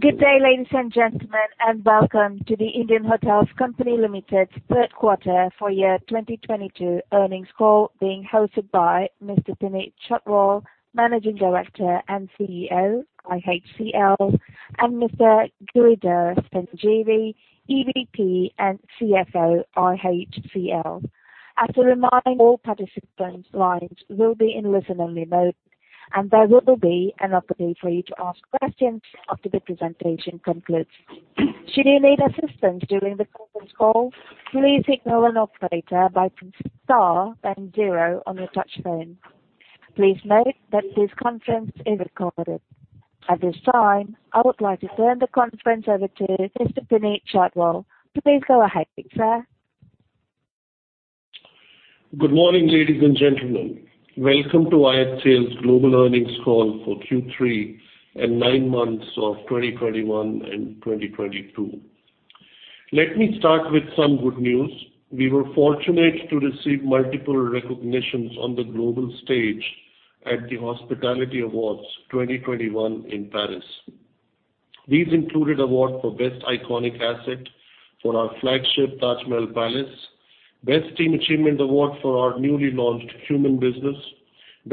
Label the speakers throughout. Speaker 1: Good day, ladies and gentlemen, and welcome to the Indian Hotels Company Limited third quarter for year 2022 earnings call being hosted by Mr. Puneet Chhatwal, Managing Director and CEO, IHCL, and Mr. Giridhar Sanjeevi, EVP and CFO, IHCL. As a reminder, all participants' lines will be in listen-only mode, and there will be an opportunity for you to ask questions after the presentation concludes. Should you need assistance during the conference call, please signal an operator by star then zero on your touchtone. Please note that this conference is recorded. At this time, I would like to turn the conference over to Mr. Puneet Chhatwal. Please go ahead, sir.
Speaker 2: Good morning, ladies and gentlemen. Welcome to IHCL's global earnings call for Q3 and 9 months of 2021 and 2022. Let me start with some good news. We were fortunate to receive multiple recognitions on the global stage at the Worldwide Hospitality Awards 2021 in Paris. These included award for best iconic asset for our flagship Taj Mahal Palace, best team achievement award for our newly launched homestay business,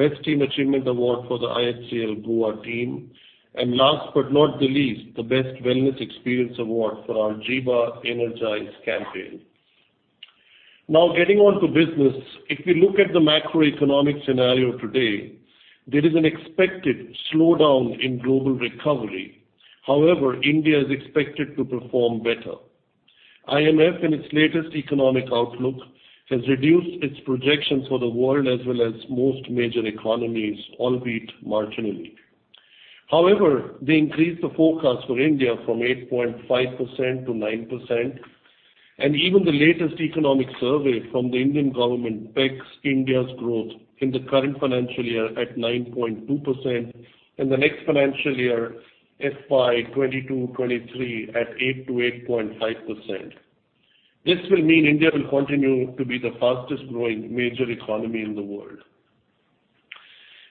Speaker 2: best team achievement award for the IHCL Goa team, and last but not the least, the best wellness experience award for our Jiva Energize campaign. Now getting on to business. If we look at the macroeconomic scenario today, there is an expected slowdown in global recovery. However, India is expected to perform better. IMF in its latest economic outlook has reduced its projections for the world as well as most major economies, albeit marginally. However, they increased the forecast for India from 8.5% to 9%, and even the latest economic survey from the Indian government pegs India's growth in the current financial year at 9.2%, and the next financial year, FY 2022-23 at 8%-8.5%. This will mean India will continue to be the fastest-growing major economy in the world.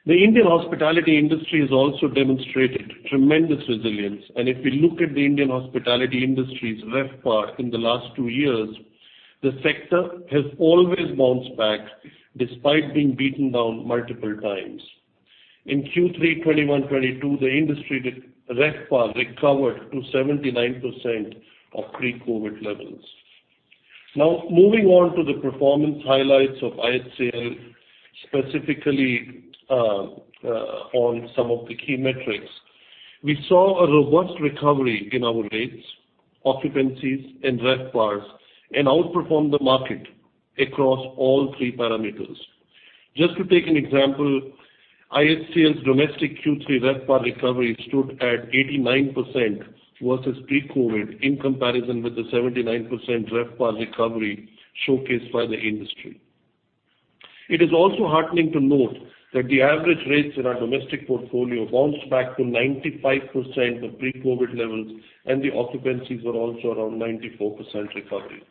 Speaker 2: The Indian hospitality industry has also demonstrated tremendous resilience. If we look at the Indian hospitality industry's RevPAR in the last two years, the sector has always bounced back despite being beaten down multiple times. In Q3 2021-22, the industry RevPAR recovered to 79% of pre-COVID levels. Now moving on to the performance highlights of IHCL, specifically, on some of the key metrics. We saw a robust recovery in our rates, occupancies, and RevPARs, and outperformed the market across all three parameters. Just to take an example, IHCL's domestic Q3 RevPAR recovery stood at 89% versus pre-COVID in comparison with the 79% RevPAR recovery showcased by the industry. It is also heartening to note that the average rates in our domestic portfolio bounced back to 95% of pre-COVID levels, and the occupancies were also around 94% recovery.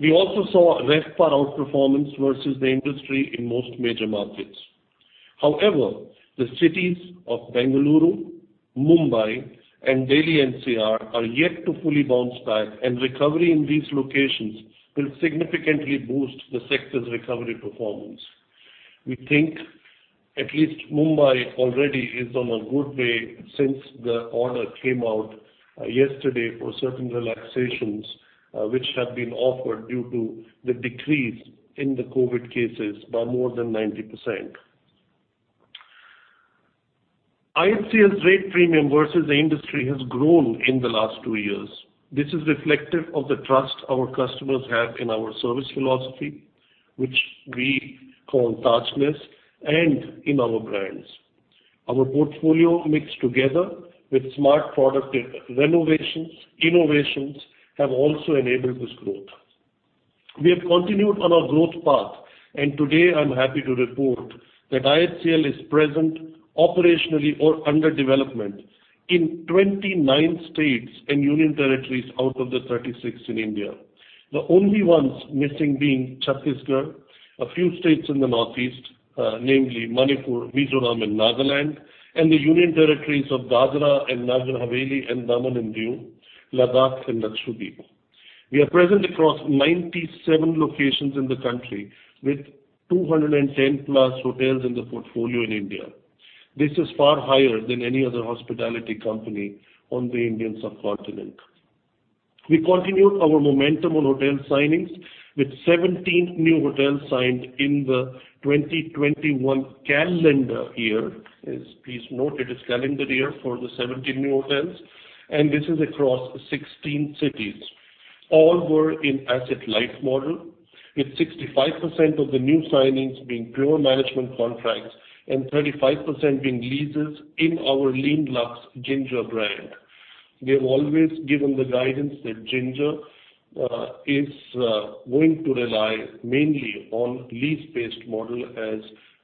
Speaker 2: We also saw RevPAR outperformance versus the industry in most major markets. However, the cities of Bengaluru, Mumbai, and Delhi NCR are yet to fully bounce back, and recovery in these locations will significantly boost the sector's recovery performance. We think at least Mumbai already is on a good way since the order came out yesterday for certain relaxations, which have been offered due to the decrease in the COVID cases by more than 90%. IHCL's rate premium versus the industry has grown in the last two years. This is reflective of the trust our customers have in our service philosophy, which we call Tajness, and in our brands. Our portfolio mixed together with smart product renovations, innovations have also enabled this growth. We have continued on our growth path, and today I'm happy to report that IHCL is present operationally or under development in 29 states and union territories out of the 36 in India. The only ones missing being Chhattisgarh, a few states in the Northeast, namely Manipur, Mizoram, and Nagaland, and the union territories of Dadra and Nagar Haveli and Daman and Diu, Ladakh, and Lakshadweep. We are present across 97 locations in the country with 210+ hotels in the portfolio in India. This is far higher than any other hospitality company on the Indian subcontinent. We continued our momentum on hotel signings with 17 new hotels signed in the 2021 calendar year. And please note, it is calendar year for the 17 new hotels, and this is across 16 cities. All were in asset-light model, with 65% of the new signings being pure management contracts and 35% being leases in our lean luxe Ginger brand. We have always given the guidance that Ginger is going to rely mainly on lease-based model as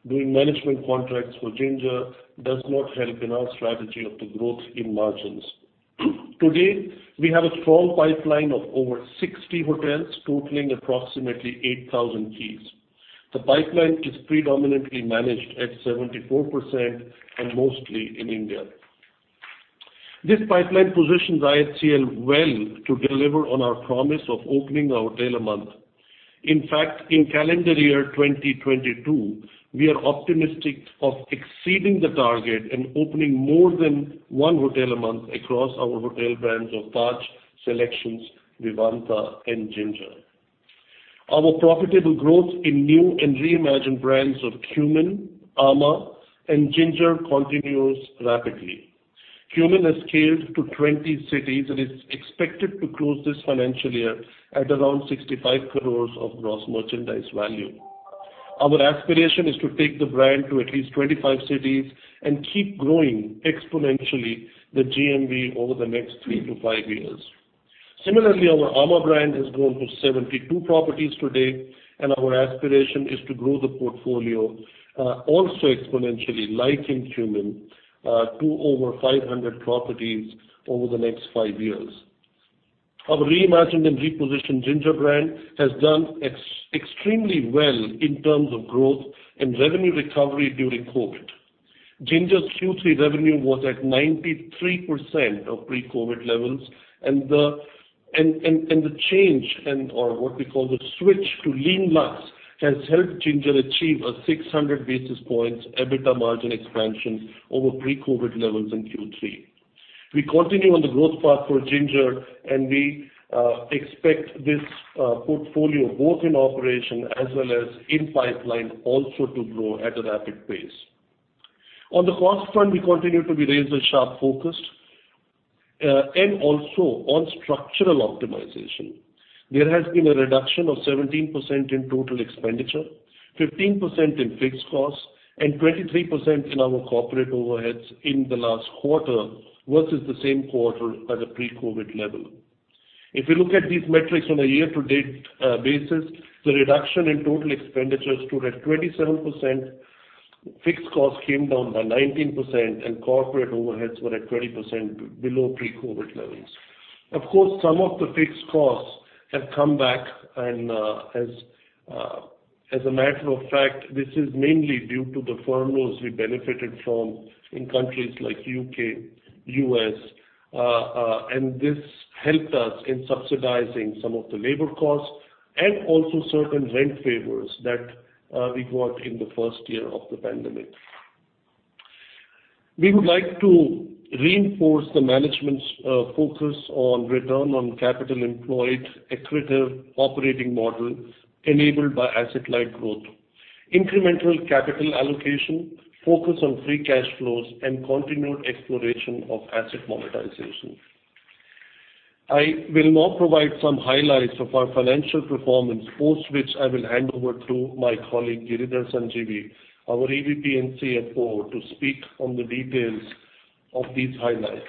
Speaker 2: doing management contracts for Ginger does not help in our strategy of the growth in margins. Today, we have a strong pipeline of over 60 hotels totaling approximately 8,000 keys. The pipeline is predominantly managed at 74% and mostly in India. This pipeline positions IHCL well to deliver on our promise of opening a hotel a month. In fact, in calendar year 2022, we are optimistic of exceeding the target and opening more than one hotel a month across our hotel brands of Taj, SeleQtions, Vivanta and Ginger. Our profitable growth in new and reimagined brands of Qmin, amã and Ginger continues rapidly. Qmin has scaled to 20 cities and is expected to close this financial year at around 65 crores of gross merchandise value. Our aspiration is to take the brand to at least 25 cities and keep growing exponentially the GMV over the next 3-5 years. Similarly, our amã brand has grown to 72 properties to date, and our aspiration is to grow the portfolio also exponentially like in Qmin to over 500 properties over the next five years. Our reimagined and repositioned Ginger brand has done extremely well in terms of growth and revenue recovery during COVID. Ginger's Q3 revenue was at 93% of pre-COVID levels and the change and/or what we call the switch to lean luxe has helped Ginger achieve a 600 basis points EBITDA margin expansion over pre-COVID levels in Q3. We continue on the growth path for Ginger, and we expect this portfolio both in operation as well as in pipeline also to grow at a rapid pace. On the cost front, we continue to be razor-sharp focused, and also on structural optimization. There has been a reduction of 17% in total expenditure, 15% in fixed costs and 23% in our corporate overheads in the last quarter versus the same quarter at a pre-COVID level. If you look at these metrics on a year-to-date basis, the reduction in total expenditures stood at 27%. Fixed costs came down by 19%, and corporate overheads were at 20% below pre-COVID levels. Of course, some of the fixed costs have come back and, as a matter of fact, this is mainly due to the furloughs we benefited from in countries like U.K., U.S. This helped us in subsidizing some of the labor costs and also certain rent waivers that we got in the first year of the pandemic. We would like to reinforce the management's focus on return on capital employed, accretive operating model enabled by asset-light growth, incremental capital allocation, focus on free cash flows and continued exploration of asset monetization. I will now provide some highlights of our financial performance, post which I will hand over to my colleague, Giridhar Sanjeevi, our EVP and CFO, to speak on the details of these highlights.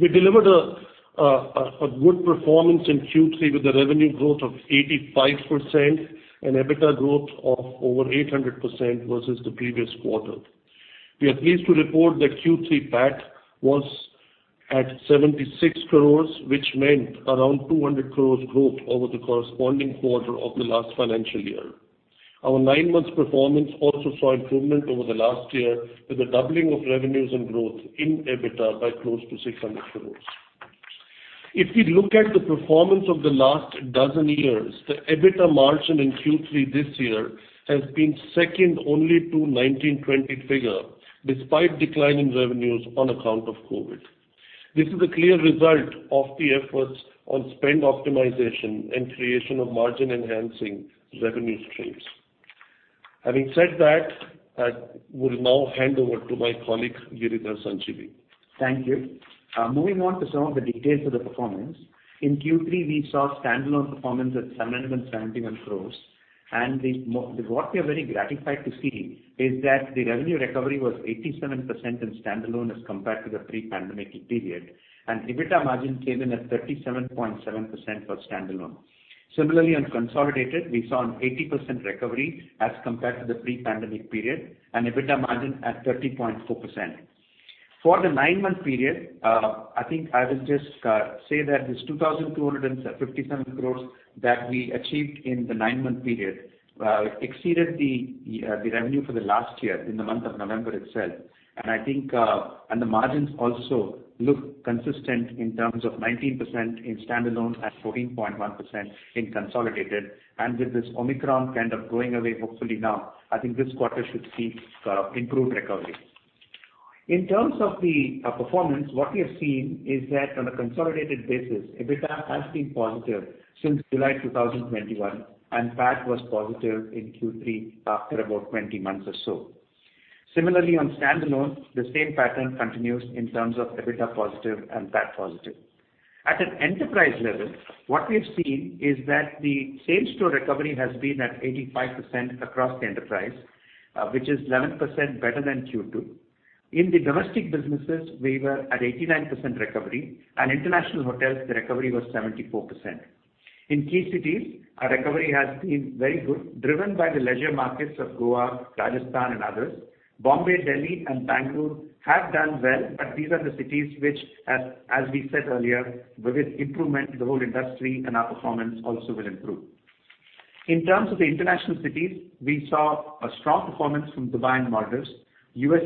Speaker 2: We delivered a good performance in Q3 with a revenue growth of 85% and EBITDA growth of over 800% versus the previous quarter. We are pleased to report that Q3 PAT was at 76 crores, which meant around 200 crores growth over the corresponding quarter of the last financial year. Our nine-month performance also saw improvement over the last year, with a doubling of revenues and growth in EBITDA by close to 600 crores. If we look at the performance of the last dozen years, the EBITDA margin in Q3 this year has been second only to 2019-20 figure despite decline in revenues on account of COVID. This is a clear result of the efforts on spend optimization and creation of margin-enhancing revenue streams. Having said that, I will now hand over to my colleague Giridhar Sanjeevi.
Speaker 3: Thank you. Moving on to some of the details of the performance. In Q3, we saw standalone performance at 771 crores. What we are very gratified to see is that the revenue recovery was 87% in standalone as compared to the pre-pandemic period, and EBITDA margin came in at 37.7% for standalone. Similarly, on consolidated, we saw an 80% recovery as compared to the pre-pandemic period, and EBITDA margin at 13.4%. For the nine-month period, I think I will just say that this 2,257 crores that we achieved in the nine-month period exceeded the revenue for the last year in the month of November itself. I think, and the margins also look consistent in terms of 19% in standalone and 14.1% in consolidated. With this Omicron kind of going away hopefully now, I think this quarter should see improved recovery. In terms of the performance, what we have seen is that on a consolidated basis, EBITDA has been positive since July 2021, and PAT was positive in Q3 after about 20 months or so. Similarly, on standalone, the same pattern continues in terms of EBITDA positive and PAT positive. At an enterprise level, what we've seen is that the same-store recovery has been at 85% across the enterprise, which is 11% better than Q2. In the domestic businesses, we were at 89% recovery. In international hotels, the recovery was 74%. In key cities, our recovery has been very good, driven by the leisure markets of Goa, Rajasthan and others. Bombay, Delhi and Bangalore have done well, but these are the cities which we said earlier, with its improvement, the whole industry and our performance also will improve. In terms of the international cities, we saw a strong performance from Dubai and Maldives. U.S.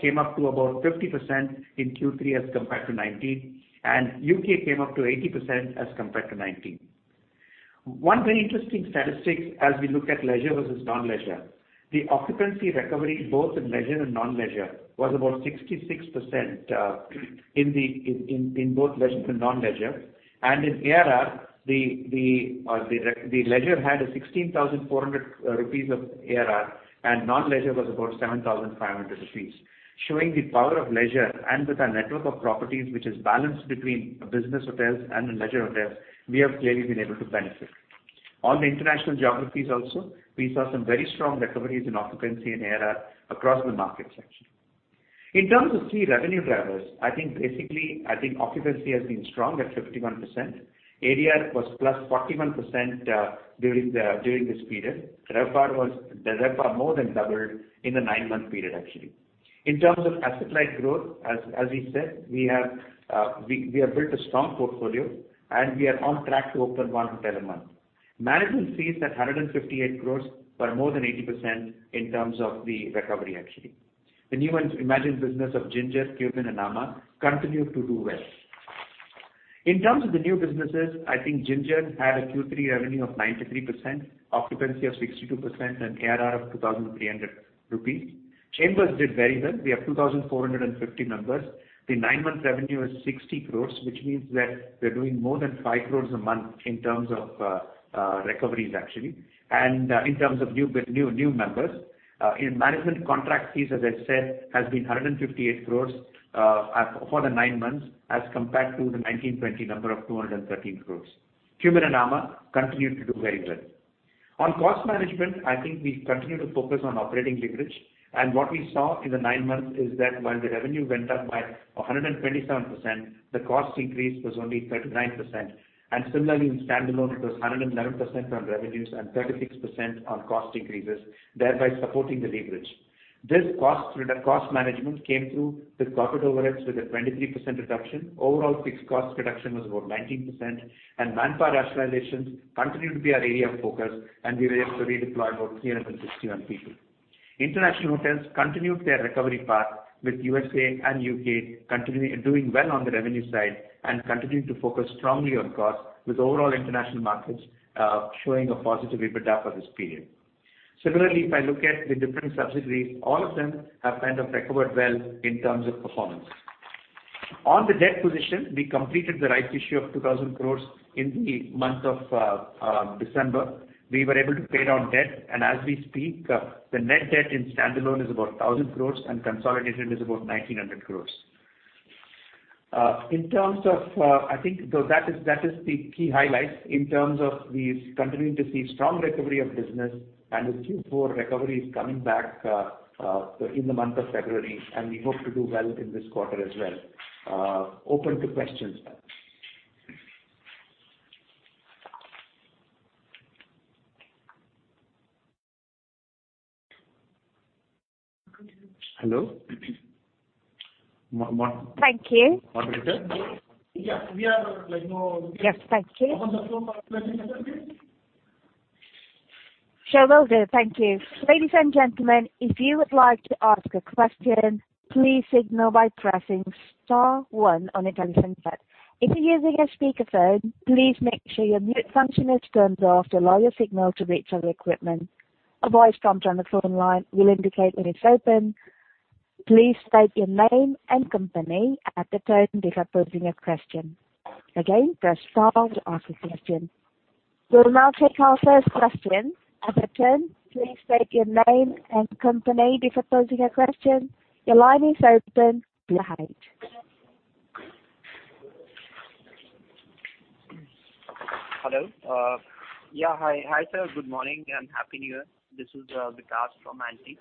Speaker 3: came up to about 50% in Q3 as compared to 2019, and U.K. came up to 80% as compared to 2019. One very interesting statistic as we look at leisure versus non-leisure, the occupancy recovery in both leisure and non-leisure was about 66%. In ARR, the leisure had 16,400 rupees of ARR and non-leisure was about 7,500 rupees. Showing the power of leisure and with our network of properties, which is balanced between business hotels and the leisure hotels, we have clearly been able to benefit. On the international geographies also, we saw some very strong recoveries in occupancy and ARR across the market section. In terms of three revenue drivers, I think basically occupancy has been strong at 51%. ADR was +41% during this period. The RevPAR more than doubled in the nine-month period actually. In terms of asset light growth, as we said, we have built a strong portfolio, and we are on track to open one hotel a month. Management fees at 158 crore were more than 80% in terms of the recovery actually. The new and emerging business of Ginger, Qmin and amã continued to do well. In terms of the new businesses, I think Ginger had a Q3 revenue of 93%, occupancy of 62% and ARR of 2,300 rupees. Chambers did very well. We have 2,450 members. The nine-month revenue is 60 crore, which means that we're doing more than 5 crore a month in terms of recoveries actually, and in terms of new members. In management contract fees, as I said, has been 158 crore for the nine months as compared to the FY 2019-20 number of 213 crore. Qmin and amã continued to do very well. On cost management, I think we continue to focus on operating leverage, and what we saw in the nine months is that while the revenue went up by 127%, the cost increase was only 39%. Similarly, in standalone it was 111% on revenues and 36% on cost increases, thereby supporting the leverage. This cost through the cost management came through with profit overheads with a 23% reduction. Overall fixed cost reduction was about 19%, and manpower rationalizations continued to be our area of focus, and we were able to redeploy about 361 people. International hotels continued their recovery path, with U.S. and U.K. doing well on the revenue side and continuing to focus strongly on cost, with overall international markets showing a positive EBITDA for this period. Similarly, if I look at the different subsidiaries, all of them have kind of recovered well in terms of performance. On the debt position, we completed the right issue of 2,000 crore in the month of December. We were able to pay down debt, and as we speak, the net debt in standalone is about 1,000 crore and consolidated is about 1,900 crore. That is the key highlights in terms of we're continuing to see strong recovery of business and with Q4 recovery is coming back in the month of February, and we hope to do well in this quarter as well. Open to questions. Hello?
Speaker 1: Thank you.
Speaker 3: Moderator?
Speaker 2: Yeah, we are like more.
Speaker 1: Yes. Thank you.
Speaker 2: On the floor.
Speaker 1: Sure will do. Thank you. Ladies and gentlemen, if you would like to ask a question, please signal by pressing star one on your telephone keypad. If you're using a speakerphone, please make sure your mute function is turned off to allow your signal to reach our equipment. A voice prompt on the phone line will indicate when it's open. Please state your name and company at the tone before posing a question. Again, press star to ask a question. We'll now take our first question. As a turn, please state your name and company before posing a question. Your line is open. Go ahead.
Speaker 4: Hello. Hi. Hi, sir. Good morning and Happy New Year. This is Vikas from Antique.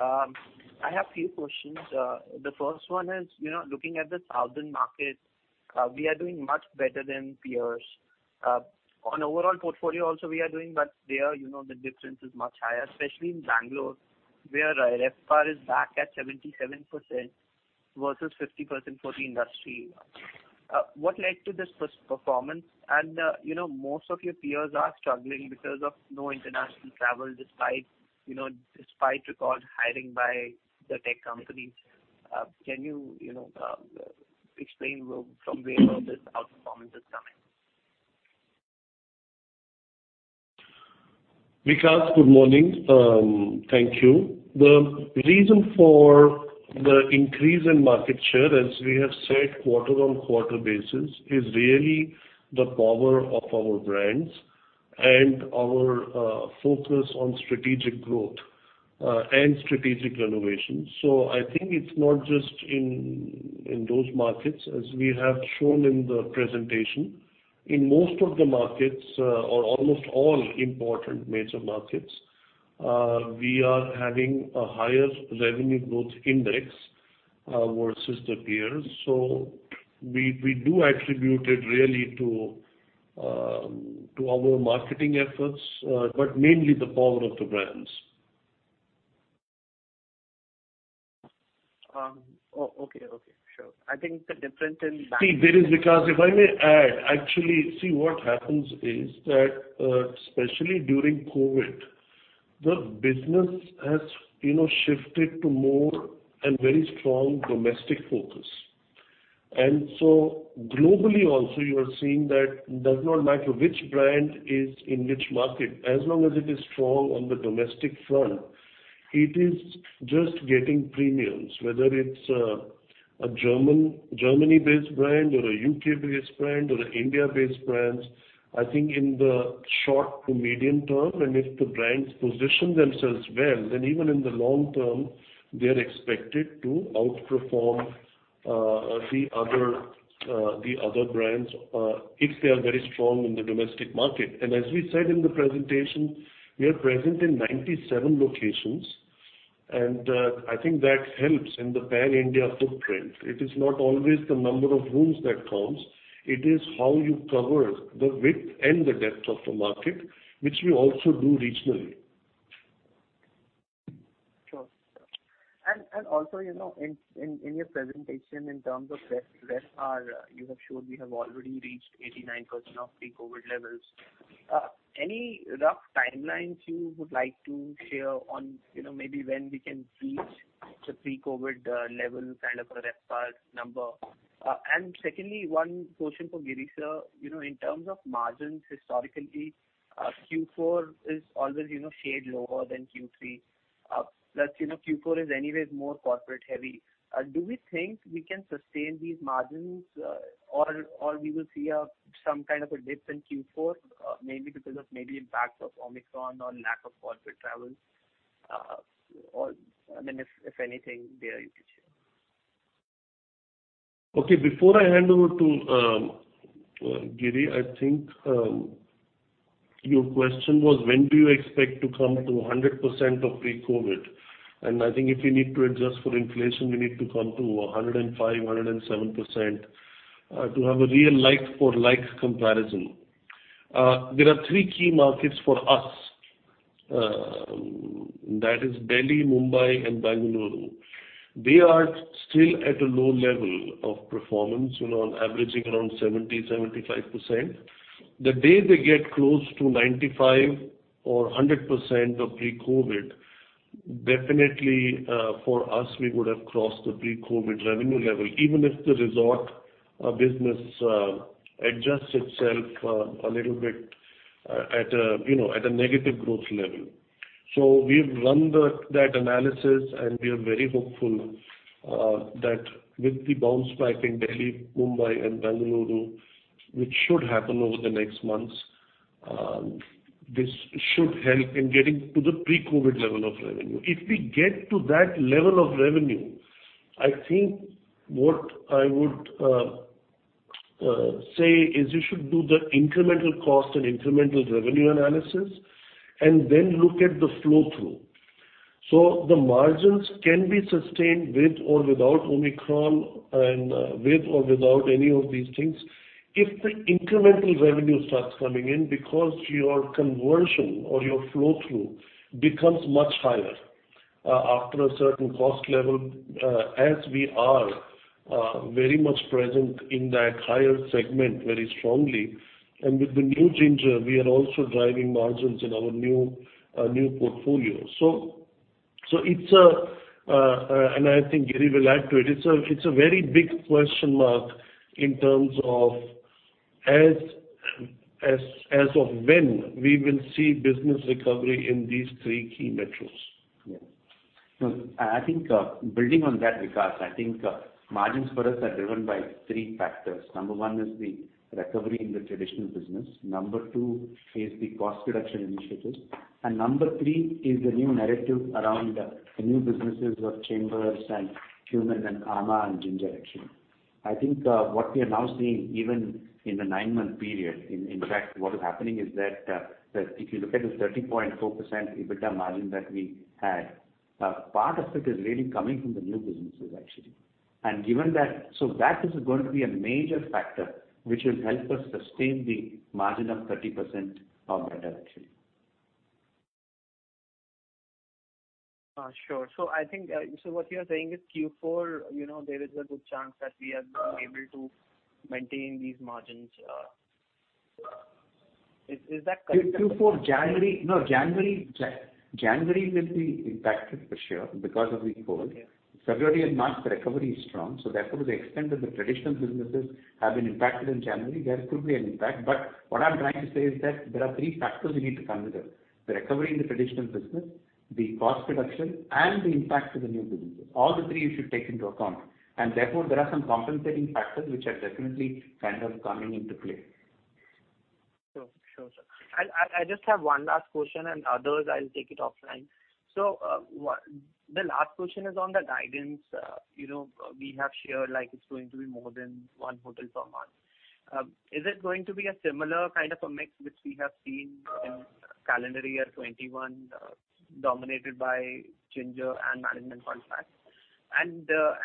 Speaker 4: I have few questions. The first one is, you know, looking at the southern markets, we are doing much better than peers. On overall portfolio also we are doing but there, you know, the difference is much higher, especially in Bangalore, where RevPAR is back at 77% versus 50% for the industry. What led to this first performance? You know, most of your peers are struggling because of no international travel despite, you know, despite record hiring by the tech companies. Can you know, explain from where all this outperformance is coming?
Speaker 2: Vikas, good morning. Thank you. The reason for the increase in market share, as we have said quarter-on-quarter basis, is really the power of our brands and our focus on strategic growth and strategic renovations. I think it's not just in those markets. As we have shown in the presentation, in most of the markets or almost all important major markets, we are having a higher Revenue Generation Index versus the peers. We do attribute it really to our marketing efforts, but mainly the power of the brands.
Speaker 4: Okay. Sure. I think the difference in brands.
Speaker 2: See, there is, Vikas, if I may add, actually, see what happens is that, especially during COVID, the business has, you know, shifted to more and very strong domestic focus. Globally also you are seeing that it does not matter which brand is in which market, as long as it is strong on the domestic front, it is just getting premiums, whether it's a German-Germany-based brand or a U.K.-based brand or an India-based brands. I think in the short to medium term, and if the brands position themselves well, then even in the long term they are expected to outperform the other brands if they are very strong in the domestic market. As we said in the presentation, we are present in 97 locations, and I think that helps in the pan-India footprint. It is not always the number of rooms that counts. It is how you cover the width and the depth of the market, which we also do regionally.
Speaker 4: Sure. Also, you know, in your presentation in terms of RevPAR, you have showed we have already reached 89% of pre-COVID levels. Any rough timelines you would like to share on, you know, maybe when we can reach the pre-COVID level kind of a RevPAR number? Secondly, one question for Giri, sir. You know, in terms of margins historically, Q4 is always, you know, shade lower than Q3. Plus, you know, Q4 is anyways more corporate heavy. Do we think we can sustain these margins, or we will see some kind of a dip in Q4, maybe because of impacts of Omicron or lack of corporate travel? Or, I mean, if anything there you could share.
Speaker 2: Okay, before I hand over to Giri, I think your question was when do you expect to come to 100% of pre-COVID? I think if you need to adjust for inflation, we need to come to 105%-107% to have a real like for like comparison. There are three key markets for us, that is Delhi, Mumbai and Bengaluru. They are still at a low level of performance, you know, on averaging around 70%-75%. The day they get close to 95% or 100% of pre-COVID, definitely, for us, we would have crossed the pre-COVID revenue level, even if the resort business adjusts itself a little bit at a negative growth level. We've run that analysis, and we are very hopeful that with the bounce back in Delhi, Mumbai and Bengaluru, which should happen over the next months, this should help in getting to the pre-COVID level of revenue. If we get to that level of revenue, I think what I would say is you should do the incremental cost and incremental revenue analysis and then look at the flow through. The margins can be sustained with or without Omicron and with or without any of these things. If the incremental revenue starts coming in because your conversion or your flow through becomes much higher after a certain cost level as we are very much present in that higher segment very strongly. With the new Ginger, we are also driving margins in our new portfolio. I think Giri will add to it. It's a very big question mark in terms of as of when we will see business recovery in these three key metros.
Speaker 3: Yeah. No, I think, building on that, Vikas, I think, margins for us are driven by three factors. Number one is the recovery in the traditional business. Number two is the cost reduction initiatives. Number three is the new narrative around the new businesses of The Chambers and Qmin and amã and Ginger, actually. I think, what we are now seeing even in the nine-month period, in fact, what is happening is that if you look at the 30.4% EBITDA margin that we had, part of it is really coming from the new businesses actually. Given that is going to be a major factor which will help us sustain the margin of 30% or better actually.
Speaker 4: Sure. I think, so what you are saying is Q4, you know, there is a good chance that we are going to be able to maintain these margins. Is that correct?
Speaker 3: Q4 January will be impacted for sure because of the COVID.
Speaker 4: Yeah.
Speaker 3: February and March, the recovery is strong. Therefore, to the extent that the traditional businesses have been impacted in January, there could be an impact. What I'm trying to say is that there are three factors we need to consider, the recovery in the traditional business, the cost reduction, and the impact to the new businesses. All the three you should take into account. Therefore there are some compensating factors which are definitely kind of coming into play.
Speaker 4: Sure, sir. I just have one last question, and others I'll take it offline. The last question is on the guidance. You know, we have shared like it's going to be more than one hotel per month. Is it going to be a similar kind of a mix which we have seen in calendar year 2021, dominated by Ginger and management contracts?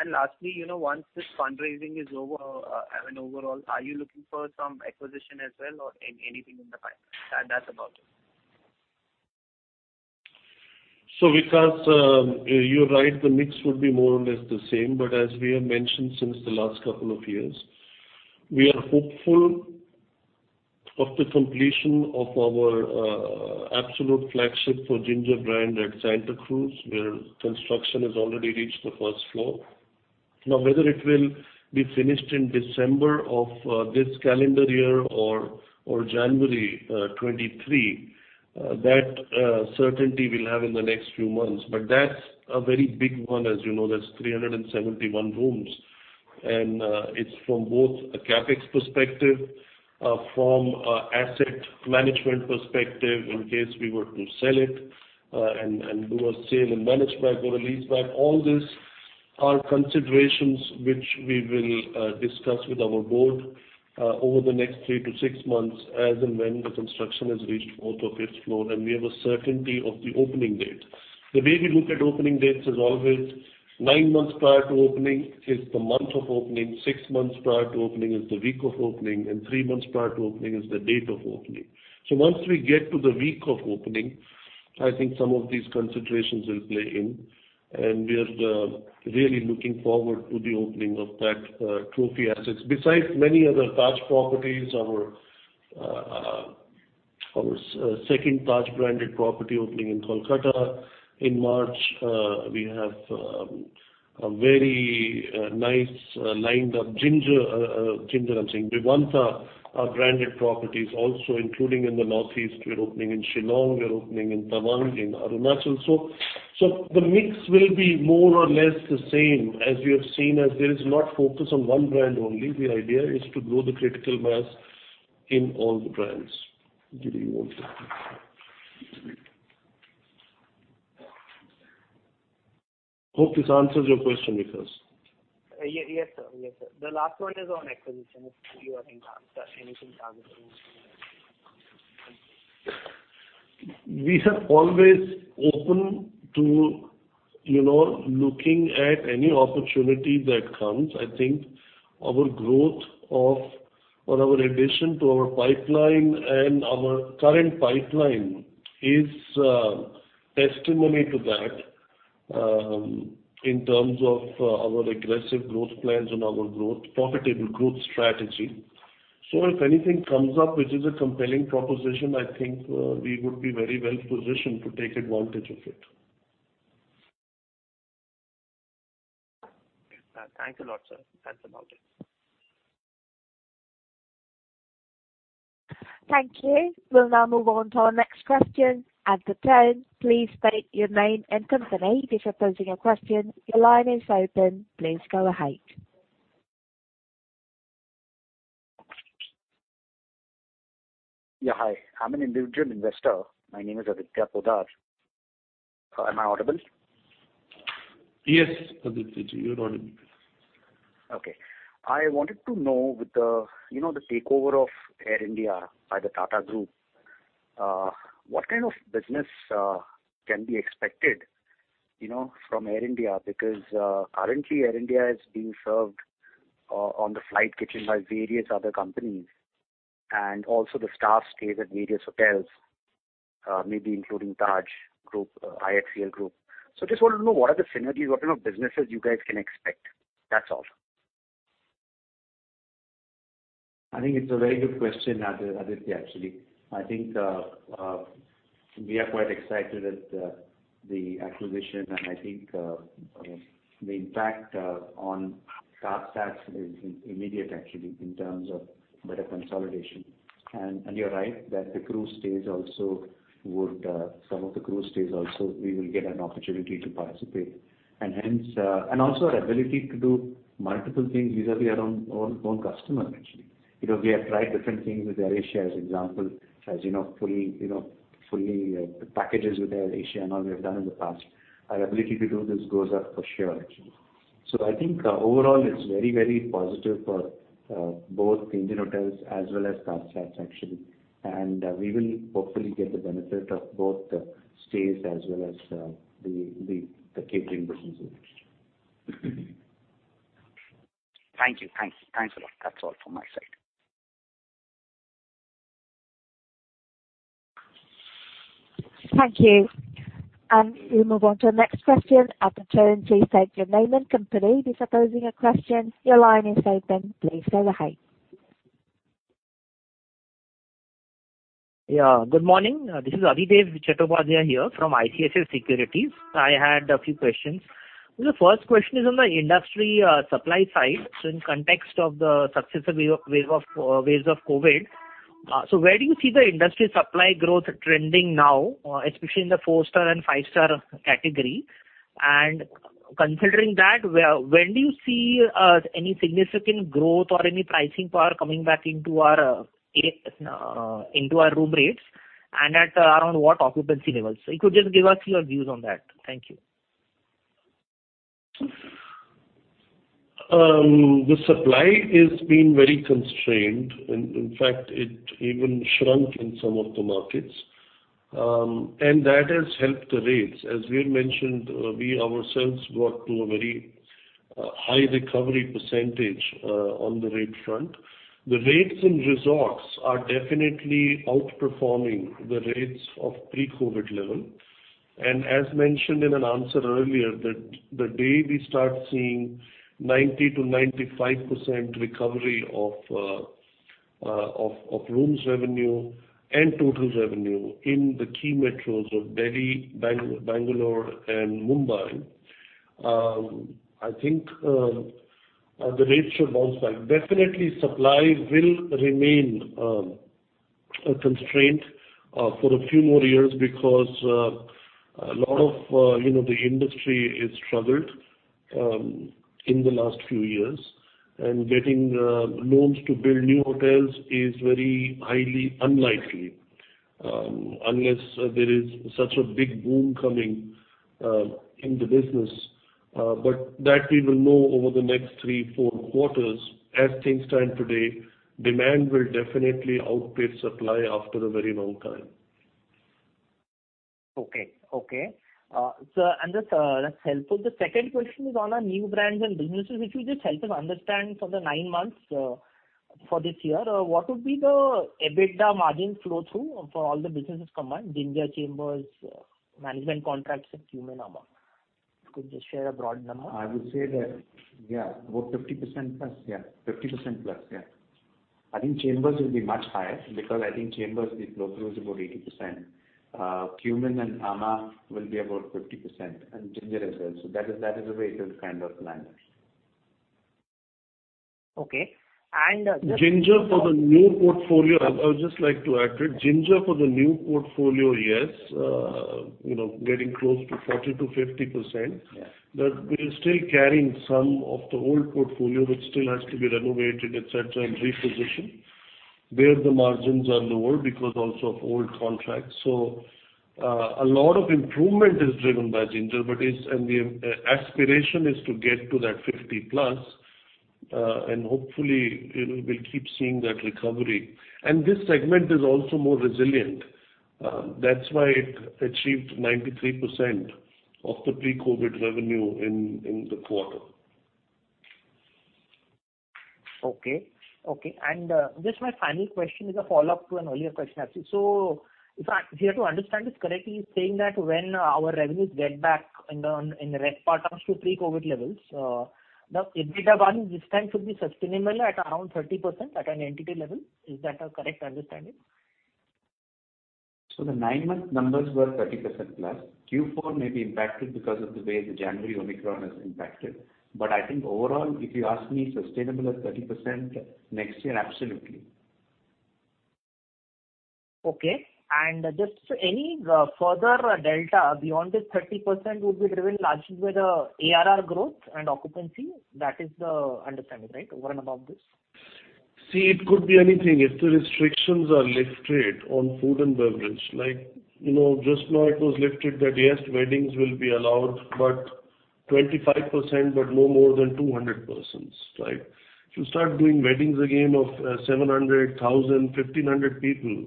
Speaker 4: Lastly, you know, once this fundraising is over, I mean, overall, are you looking for some acquisition as well or anything in the pipeline? That's about it.
Speaker 2: Vikas, you're right, the mix would be more or less the same. As we have mentioned since the last couple of years, we are hopeful of the completion of our absolute flagship for Ginger brand at Santa Cruz, where construction has already reached the first floor. Now, whether it will be finished in December of this calendar year or January 2023, that certainty we'll have in the next few months. That's a very big one. As you know, that's 371 rooms. It's from both a CapEx perspective, from an asset management perspective in case we were to sell it, and do a sale and leaseback. All these are considerations which we will discuss with our board over the next 3-6 months as and when the construction has reached fourth or fifth floor, and we have a certainty of the opening date. The way we look at opening dates is always nine months prior to opening is the month of opening, six months prior to opening is the week of opening, and three months prior to opening is the date of opening. Once we get to the week of opening, I think some of these considerations will play in, and we are really looking forward to the opening of that trophy asset. Besides many other Taj properties, our second Taj branded property opening in Kolkata in March. We have a very nice lineup of Ginger. Vivanta are branded properties also, including in the Northeast. We are opening in Shillong. We are opening in Tawang, in Arunachal. The mix will be more or less the same as we have seen, as there is no focus on one brand only. The idea is to grow the critical mass in all the brands. Do you want to? I hope this answers your question, Vikas.
Speaker 5: Yes, sir. The last one is on acquisition. If you have in mind anything targeted
Speaker 2: We are always open to, you know, looking at any opportunity that comes. I think our addition to our pipeline and our current pipeline is testimony to that, in terms of our aggressive growth plans and profitable growth strategy. If anything comes up which is a compelling proposition, I think we would be very well positioned to take advantage of it.
Speaker 4: Thanks a lot, sir. That's about it.
Speaker 1: Thank you. We'll now move on to our next question. At the tone, please state your name and company. If you're posing a question, your line is open. Please go ahead.
Speaker 6: Yeah. Hi. I'm an individual investor. My name is Aditya Poddar. Am I audible?
Speaker 2: Yes, Aditya ji, you're audible.
Speaker 6: Okay. I wanted to know with the, you know, the takeover of Air India by the Tata Group, what kind of business can be expected, you know, from Air India? Because currently Air India is being served on the flight kitchen by various other companies, and also the staff stays at various hotels, maybe including Taj Group, IHCL group. I just wanted to know, what are the synergies? What kind of businesses you guys can expect? That's all.
Speaker 3: I think it's a very good question, Aditya, actually. I think we are quite excited at the acquisition, and I think the impact on TajSATS is immediate actually in terms of better consolidation. You're right that the crew stays also would some of the crew stays also we will get an opportunity to participate. Hence, and also our ability to do multiple things vis-à-vis our own customers actually. You know, we have tried different things with AirAsia as example. As you know, fully, you know, fully packages with AirAsia and all we have done in the past. Our ability to do this goes up for sure actually. I think overall it's very, very positive for both Indian Hotels as well as TajSATS actually. We will hopefully get the benefit of both the stays as well as the catering business actually.
Speaker 6: Thank you. Thanks a lot. That's all from my side.
Speaker 1: Thank you. We move on to our next question. At the tone, please state your name and company. If you're posing a question, your line is open. Please go ahead.
Speaker 7: Yeah. Good morning. This is Adhidev Chattopadhyay here from ICICI Securities. I had a few questions. The first question is on the industry, supply side. In context of the successive waves of COVID, where do you see the industry supply growth trending now, especially in the four-star and five-star category? And considering that, when do you see any significant growth or any pricing power coming back into our room rates? And at around what occupancy levels? If you could just give us your views on that. Thank you.
Speaker 2: The supply has been very constrained. In fact, it even shrunk in some of the markets. That has helped the rates. As we had mentioned, we ourselves got to a very high recovery percentage on the rate front. The rates in resorts are definitely outperforming the rates of pre-COVID level. As mentioned in an answer earlier, the day we start seeing 90%-95% recovery of rooms revenue and total revenue in the key metros of Delhi, Bangalore and Mumbai, I think the rates should bounce back. Definitely supply will remain a constraint for a few more years because a lot of you know, the industry has struggled in the last few years. Getting loans to build new hotels is very highly unlikely unless there is such a big boom coming in the business. That we will know over the next three, four quarters. As things stand today, demand will definitely outpace supply after a very long time.
Speaker 7: That's helpful. The second question is on our new brands and businesses, if you just help us understand for the nine months for this year, what would be the EBITDA margin flow through for all the businesses combined, Ginger, Chambers, management contracts and Qmin amã? If you could just share a broad number.
Speaker 3: I would say that about 50%+. I think The Chambers will be much higher because I think The Chambers, the flow-through is about 80%. Qmin and amã will be about 50%, and Ginger as well. That is the way it is kind of planned.
Speaker 7: Okay.
Speaker 2: Ginger for the new portfolio, I would just like to add to it. Ginger for the new portfolio, yes, you know, getting close to 40%-50%.
Speaker 3: Yeah.
Speaker 2: We are still carrying some of the old portfolio which still has to be renovated, et cetera, and repositioned, where the margins are lower because also of old contracts. A lot of improvement is driven by Ginger, but the aspiration is to get to that 50+, and hopefully we'll keep seeing that recovery. This segment is also more resilient. That's why it achieved 93% of the pre-COVID revenue in the quarter.
Speaker 7: Okay, okay. Just my final question is a follow-up to an earlier question asked you. If we have to understand this correctly, you're saying that when our revenues get back in the RevPAR terms to pre-COVID levels, the EBITDA margin this time should be sustainable at around 30% at an entity level. Is that a correct understanding?
Speaker 3: The nine-month numbers were 30%+. Q4 may be impacted because of the way the January Omicron has impacted. I think overall, if you ask me sustainable at 30% next year, absolutely.
Speaker 7: Okay. Just any further delta beyond this 30% will be driven largely by the ARR growth and occupancy? That is the understanding, right, over and above this?
Speaker 2: It could be anything. If the restrictions are lifted on food and beverage, like, you know, just now it was lifted that, yes, weddings will be allowed, but 25%, but no more than 200 persons, right? If you start doing weddings again of 700, 1,000, 1,500 people,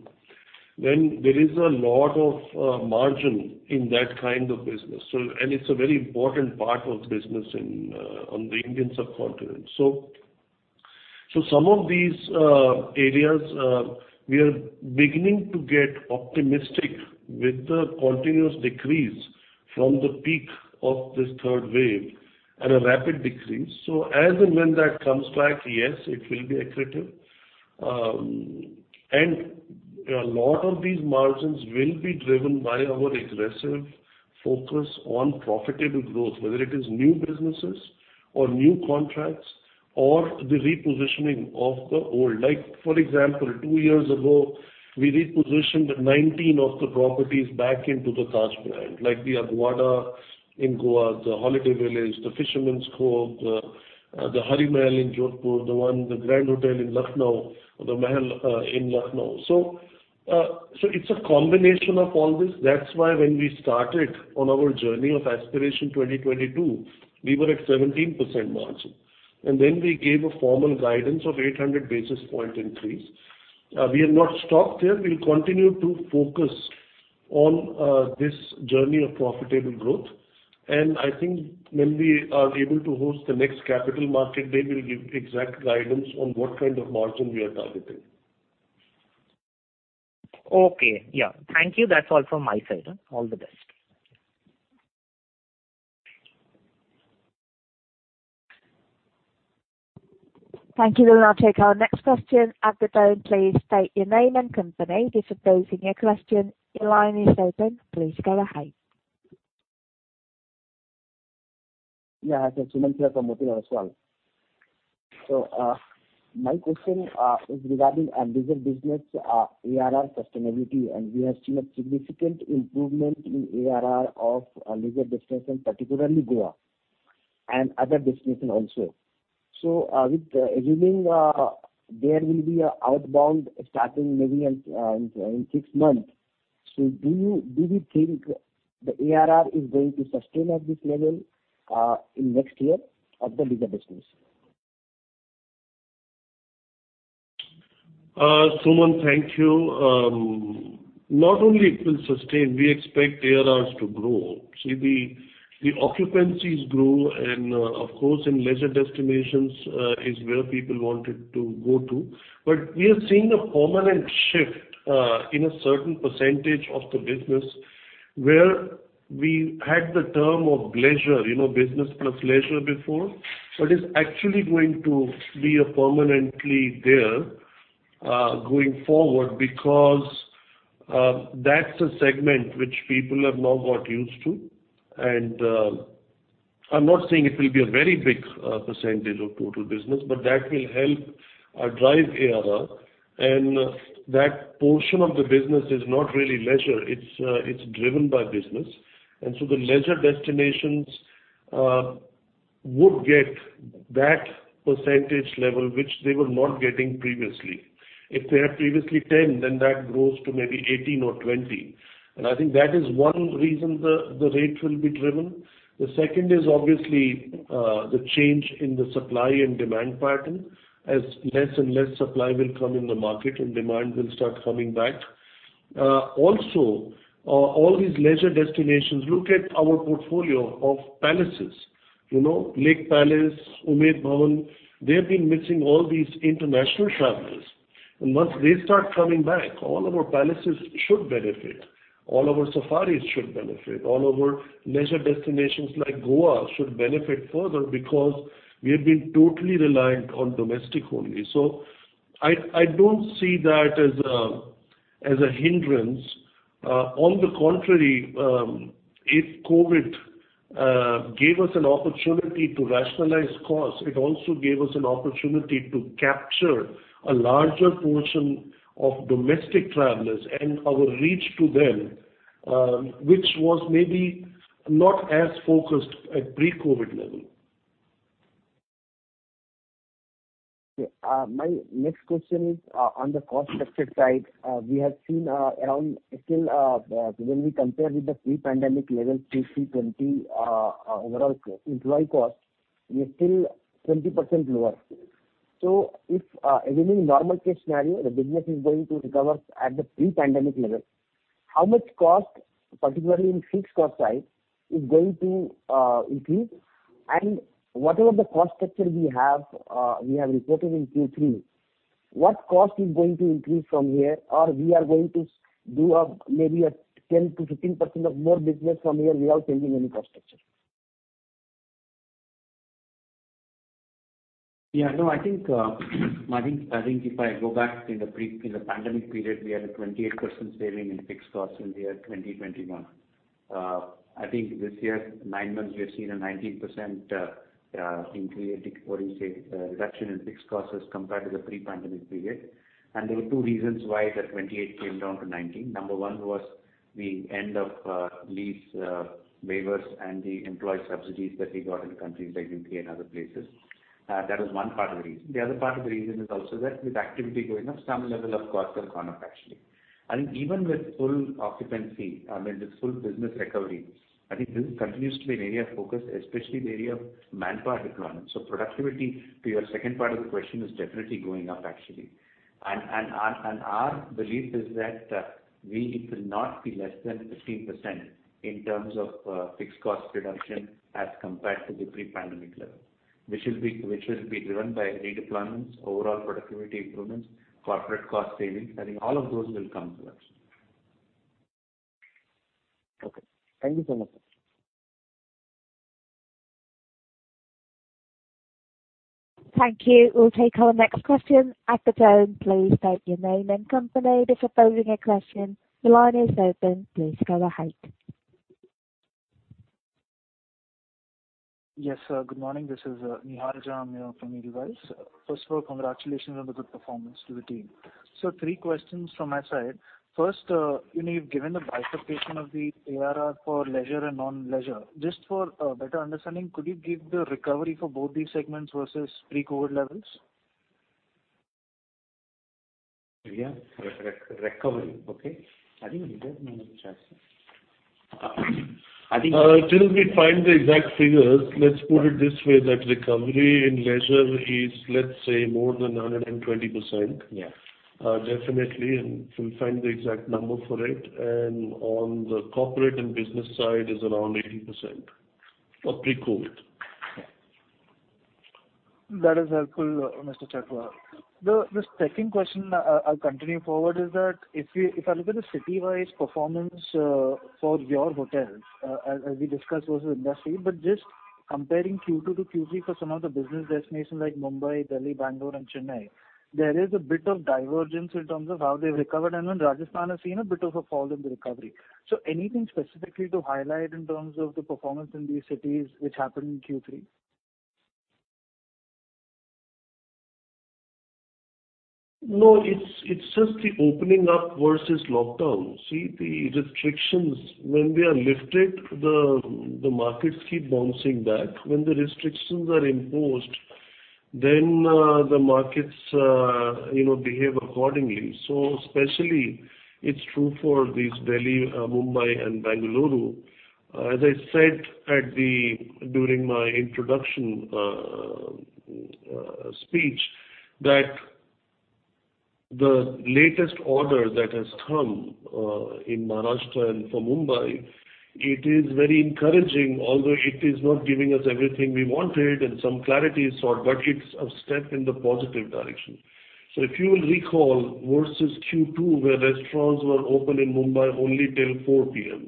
Speaker 2: then there is a lot of margin in that kind of business. It's a very important part of the business in on the Indian subcontinent. Some of these areas we are beginning to get optimistic with the continuous decrease from the peak of this third wave, and a rapid decrease. As and when that comes back, yes, it will be accretive. A lot of these margins will be driven by our aggressive focus on profitable growth, whether it is new businesses or new contracts or the repositioning of the old. Like for example, two years ago, we repositioned 19 of the properties back into the Taj brand, like the Aguada in Goa, the Holiday Village, the Fisherman's Cove, the Hari Mahal in Jodhpur, the Taj Mahal in Lucknow. It's a combination of all this. That's why when we started on our journey of Aspiration 2022, we were at 17% margin, and then we gave a formal guidance of 800 basis point increase. We have not stopped there. We'll continue to focus on this journey of profitable growth. I think when we are able to host the next capital market day, we'll give exact guidance on what kind of margin we are targeting.
Speaker 7: Okay. Yeah. Thank you. That's all from my side. All the best.
Speaker 1: Thank you. We'll now take our next question. At the tone, please state your name and company. If posing a question, your line is open. Please go ahead.
Speaker 8: Yeah, Sumant Kumar from Motilal Oswal. My question is regarding our leisure business, ARR sustainability, and we have seen a significant improvement in ARR of our leisure destination, particularly Goa and other destination also. With assuming, there will be outbound starting maybe in 6 months. Do you think the ARR is going to sustain at this level in next year of the leisure business?
Speaker 2: Sumant, thank you. Not only it will sustain, we expect ARRs to grow. See the occupancies grow and, of course, in leisure destinations, is where people wanted to go to. We are seeing a permanent shift in a certain percentage of the business where we had the term of leisure, you know, business plus leisure before. It is actually going to be permanently there, going forward because, that's a segment which people have now got used to. I'm not saying it will be a very big, percentage of total business, but that will help, drive ARR. That portion of the business is not really leisure. It's driven by business. The leisure destinations would get that percentage level which they were not getting previously. If they had previously 10, then that grows to maybe 18 or 20. I think that is one reason the rate will be driven. The second is obviously the change in the supply and demand pattern as less and less supply will come in the market and demand will start coming back. Also, all these leisure destinations, look at our portfolio of palaces, you know, Lake Palace, Umaid Bhawan, they've been missing all these international travelers. Once they start coming back, all of our palaces should benefit, all of our safaris should benefit, all of our leisure destinations like Goa should benefit further because we have been totally reliant on domestic only. I don't see that as a hindrance. On the contrary, if COVID gave us an opportunity to rationalize costs, it also gave us an opportunity to capture a larger portion of domestic travelers and our reach to them, which was maybe not as focused at pre-COVID level.
Speaker 8: Okay. My next question is on the cost structure side. We have seen around still when we compare with the pre-pandemic level Q3 2020 overall employee cost, we are still 20% lower. If assuming normal case scenario, the business is going to recover at the pre-pandemic level, how much cost, particularly in fixed cost side, is going to increase? Whatever the cost structure we have, we have reported in Q3, what cost is going to increase from here? We are going to do maybe a 10%-15% or more business from here without changing any cost structure?
Speaker 3: I think if I go back in the pre-pandemic period, we had a 28% saving in fixed costs in the year 2021. I think this year, nine months, we have seen a 19% reduction in fixed costs as compared to the pre-pandemic period. There were two reasons why the 28 came down to 19. Number one was the end of lease waivers and the employee subsidies that we got in countries like U.K. and other places. That was one part of the reason. The other part of the reason is also that with activity going up, some level of costs have gone up, actually. I think even with full occupancy, I mean, with full business recovery, I think this continues to be an area of focus, especially the area of manpower deployment. Productivity, to your second part of the question, is definitely going up actually. Our belief is that we will not be less than 15% in terms of fixed cost reduction as compared to the pre-pandemic level, which will be driven by redeployments, overall productivity improvements, corporate cost savings. I think all of those will come to us.
Speaker 8: Okay. Thank you so much.
Speaker 1: Thank you. We'll take our next question. At the tone, please state your name and company. If you're posing a question, the line is open. Please go ahead.
Speaker 9: Yes, good morning. This is Nihal Jham from Edelweiss. First of all, congratulations on the good performance to the team. Three questions from my side. First, you know, you've given the bifurcation of the ARR for leisure and non-leisure. Just for better understanding, could you give the recovery for both these segments versus pre-COVID levels?
Speaker 3: Yeah. Recovery. Okay. I think
Speaker 2: Till we find the exact figures, let's put it this way, that recovery in leisure is, let's say, more than 120%.
Speaker 3: Yeah.
Speaker 2: Definitely, we'll find the exact number for it. On the corporate and business side is around 80% of pre-COVID.
Speaker 3: Yeah.
Speaker 9: That is helpful, Mr. Chhatwal. The second question I'll continue forward is that if I look at the city-wide performance, for your hotels, as we discussed versus industry, but just comparing Q2 to Q3 for some of the business destinations like Mumbai, Delhi, Bangalore and Chennai, there is a bit of divergence in terms of how they've recovered. Then Rajasthan has seen a bit of a fall in the recovery. Anything specifically to highlight in terms of the performance in these cities which happened in Q3?
Speaker 2: No, it's just the opening up versus lockdown. See, the restrictions when they are lifted, the markets keep bouncing back. When the restrictions are imposed, the markets, you know, behave accordingly. Especially it's true for these Delhi, Mumbai and Bengaluru. As I said during my introduction speech, the latest order that has come in Maharashtra and for Mumbai, it is very encouraging, although it is not giving us everything we wanted and some clarity is sought, but it's a step in the positive direction. If you will recall versus Q2, where restaurants were open in Mumbai only till 4:00 P.M.,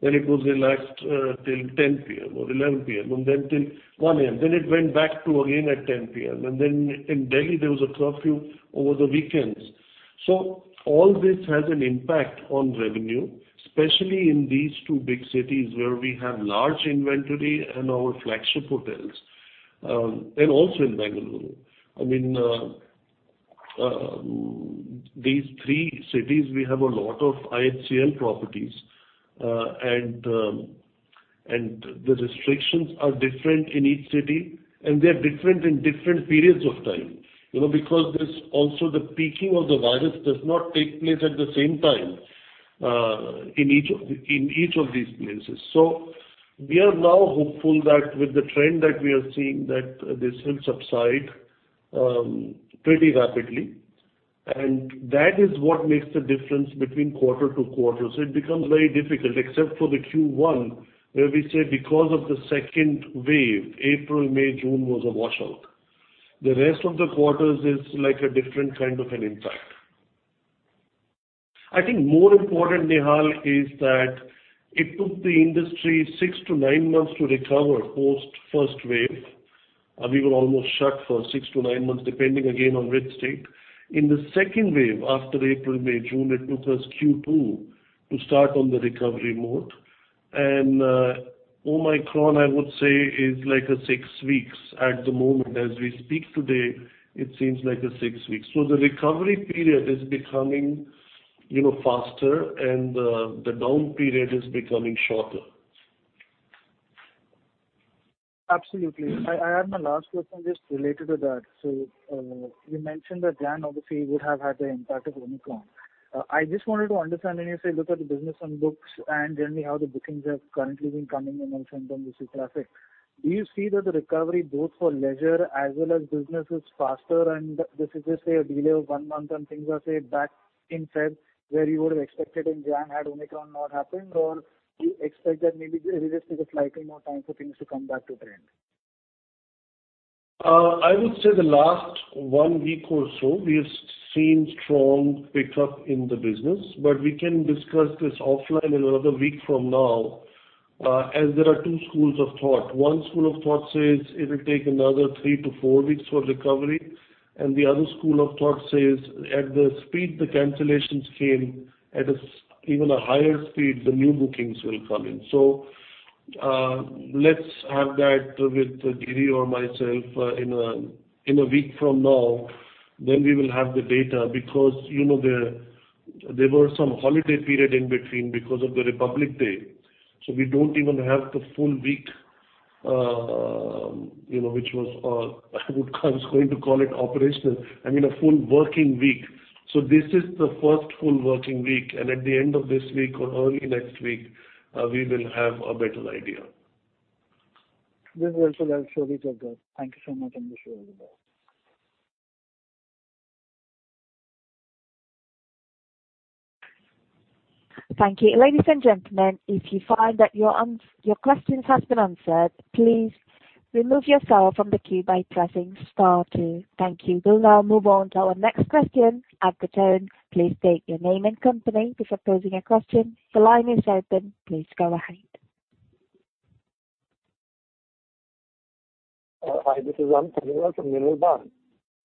Speaker 2: then it was relaxed till 10:00 P.M. or 11:00 P.M., and then till 1:00 A.M., then it went back to again at 10:00 P.M. In Delhi, there was a curfew over the weekends. All this has an impact on revenue, especially in these two big cities where we have large inventory and our flagship hotels, and also in Bengaluru. I mean, these three cities, we have a lot of IHCL properties. And the restrictions are different in each city, and they're different in different periods of time. You know, because there's also the peaking of the virus does not take place at the same time in each of these places. We are now hopeful that with the trend that we are seeing, that this will subside pretty rapidly. That is what makes the difference between quarter to quarter. It becomes very difficult except for the Q1, where we say because of the second wave, April, May, June was a washout. The rest of the quarters is like a different kind of an impact. I think more important, Nihal, is that it took the industry six to nine months to recover post first wave. We were almost shut for six to nine months, depending again on red state. In the second wave, after April, May, June, it took us Q2 to start on the recovery mode. Omicron, I would say, is like six weeks at the moment. As we speak today, it seems like six weeks. The recovery period is becoming, you know, faster and the down period is becoming shorter.
Speaker 9: Absolutely. I had my last question just related to that. You mentioned that January obviously would have had the impact of Omicron. I just wanted to understand when you say look at the business on books and generally how the bookings have currently been coming in also from the corporate traffic. Do you see that the recovery both for leisure as well as business is faster and this is just a delay of one month and things are, say, back instead where you would have expected in January had Omicron not happened? Or do you expect that maybe it just takes slightly more time for things to come back to trend?
Speaker 2: I would say the last one week or so, we have seen strong pickup in the business, but we can discuss this offline in another week from now, as there are two schools of thought. One school of thought says it will take another three to four weeks for recovery, and the other school of thought says at the speed the cancellations came, at even a higher speed, the new bookings will come in. Let's have that with Giri or myself, in a week from now, then we will have the data because, you know, there were some holiday period in between because of the Republic Day. We don't even have the full week, you know, which was, I was going to call it operational. I mean, a full working week. This is the first full working week, and at the end of this week or early next week, we will have a better idea.
Speaker 9: This is helpful. I'll surely check that. Thank you so much and wish you all the best.
Speaker 1: Thank you. Ladies and gentlemen, if you find that your ans-- your questions has been answered, please remove yourself from the queue by pressing star two. Thank you. We'll now move on to our next question at the tone. Please state your name and company before posing your question. The line is open. Please go ahead.
Speaker 10: Hi, this is Anup Kumar from Mirabaud.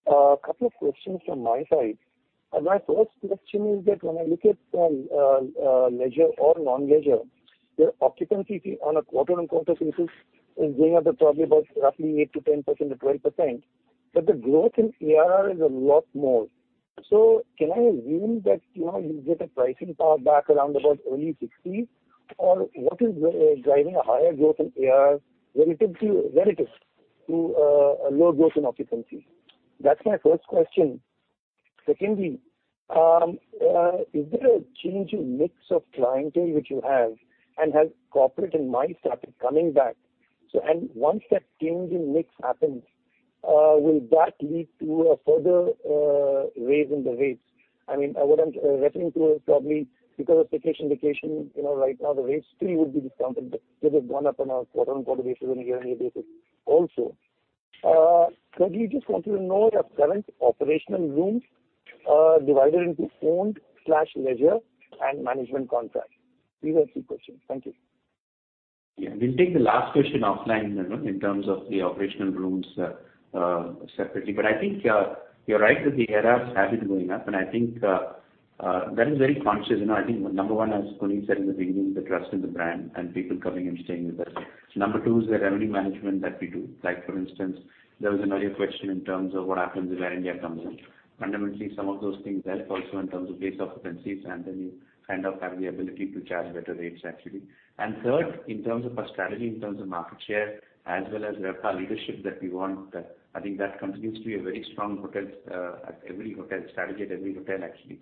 Speaker 10: A couple of questions from my side. My first question is that when I look at leisure or non-leisure, your occupancy on a quarter-on-quarter basis is going up probably about roughly 8%-12%, but the growth in ARR is a lot more. Can I assume that, you know, you get a pricing power back around about early 60? Or what is driving a higher growth in ARR relative to a low growth in occupancy? That's my first question. Secondly, is there a change in mix of clientele which you have and has corporate and MICE traffic coming back? Once that change in mix happens, will that lead to a further rise in the rates? I mean, what I'm referring to is probably because of staycation, you know, right now the rates still would be discounted, but they have gone up on a quarter-on-quarter basis on a year-on-year basis also. Thirdly, I just want to know your current operational rooms, divided into owned, leased and management contract. These are three questions. Thank you.
Speaker 3: Yeah. We'll take the last question offline, Anup, in terms of the operational rooms, separately. I think you're right that the ARRs have been going up, and I think that is very conscious. You know, I think number one, as Puneet said in the beginning, the trust in the brand and people coming and staying with us. Number two is the revenue management that we do. Like for instance, there was an earlier question in terms of what happens if Air India comes in. Fundamentally, some of those things help also in terms of base occupancies, and then you kind of have the ability to charge better rates actually. Third, in terms of our strategy, in terms of market share, as well as RevPAR leadership that we want, I think that continues to be a very strong at every hotel strategy actually.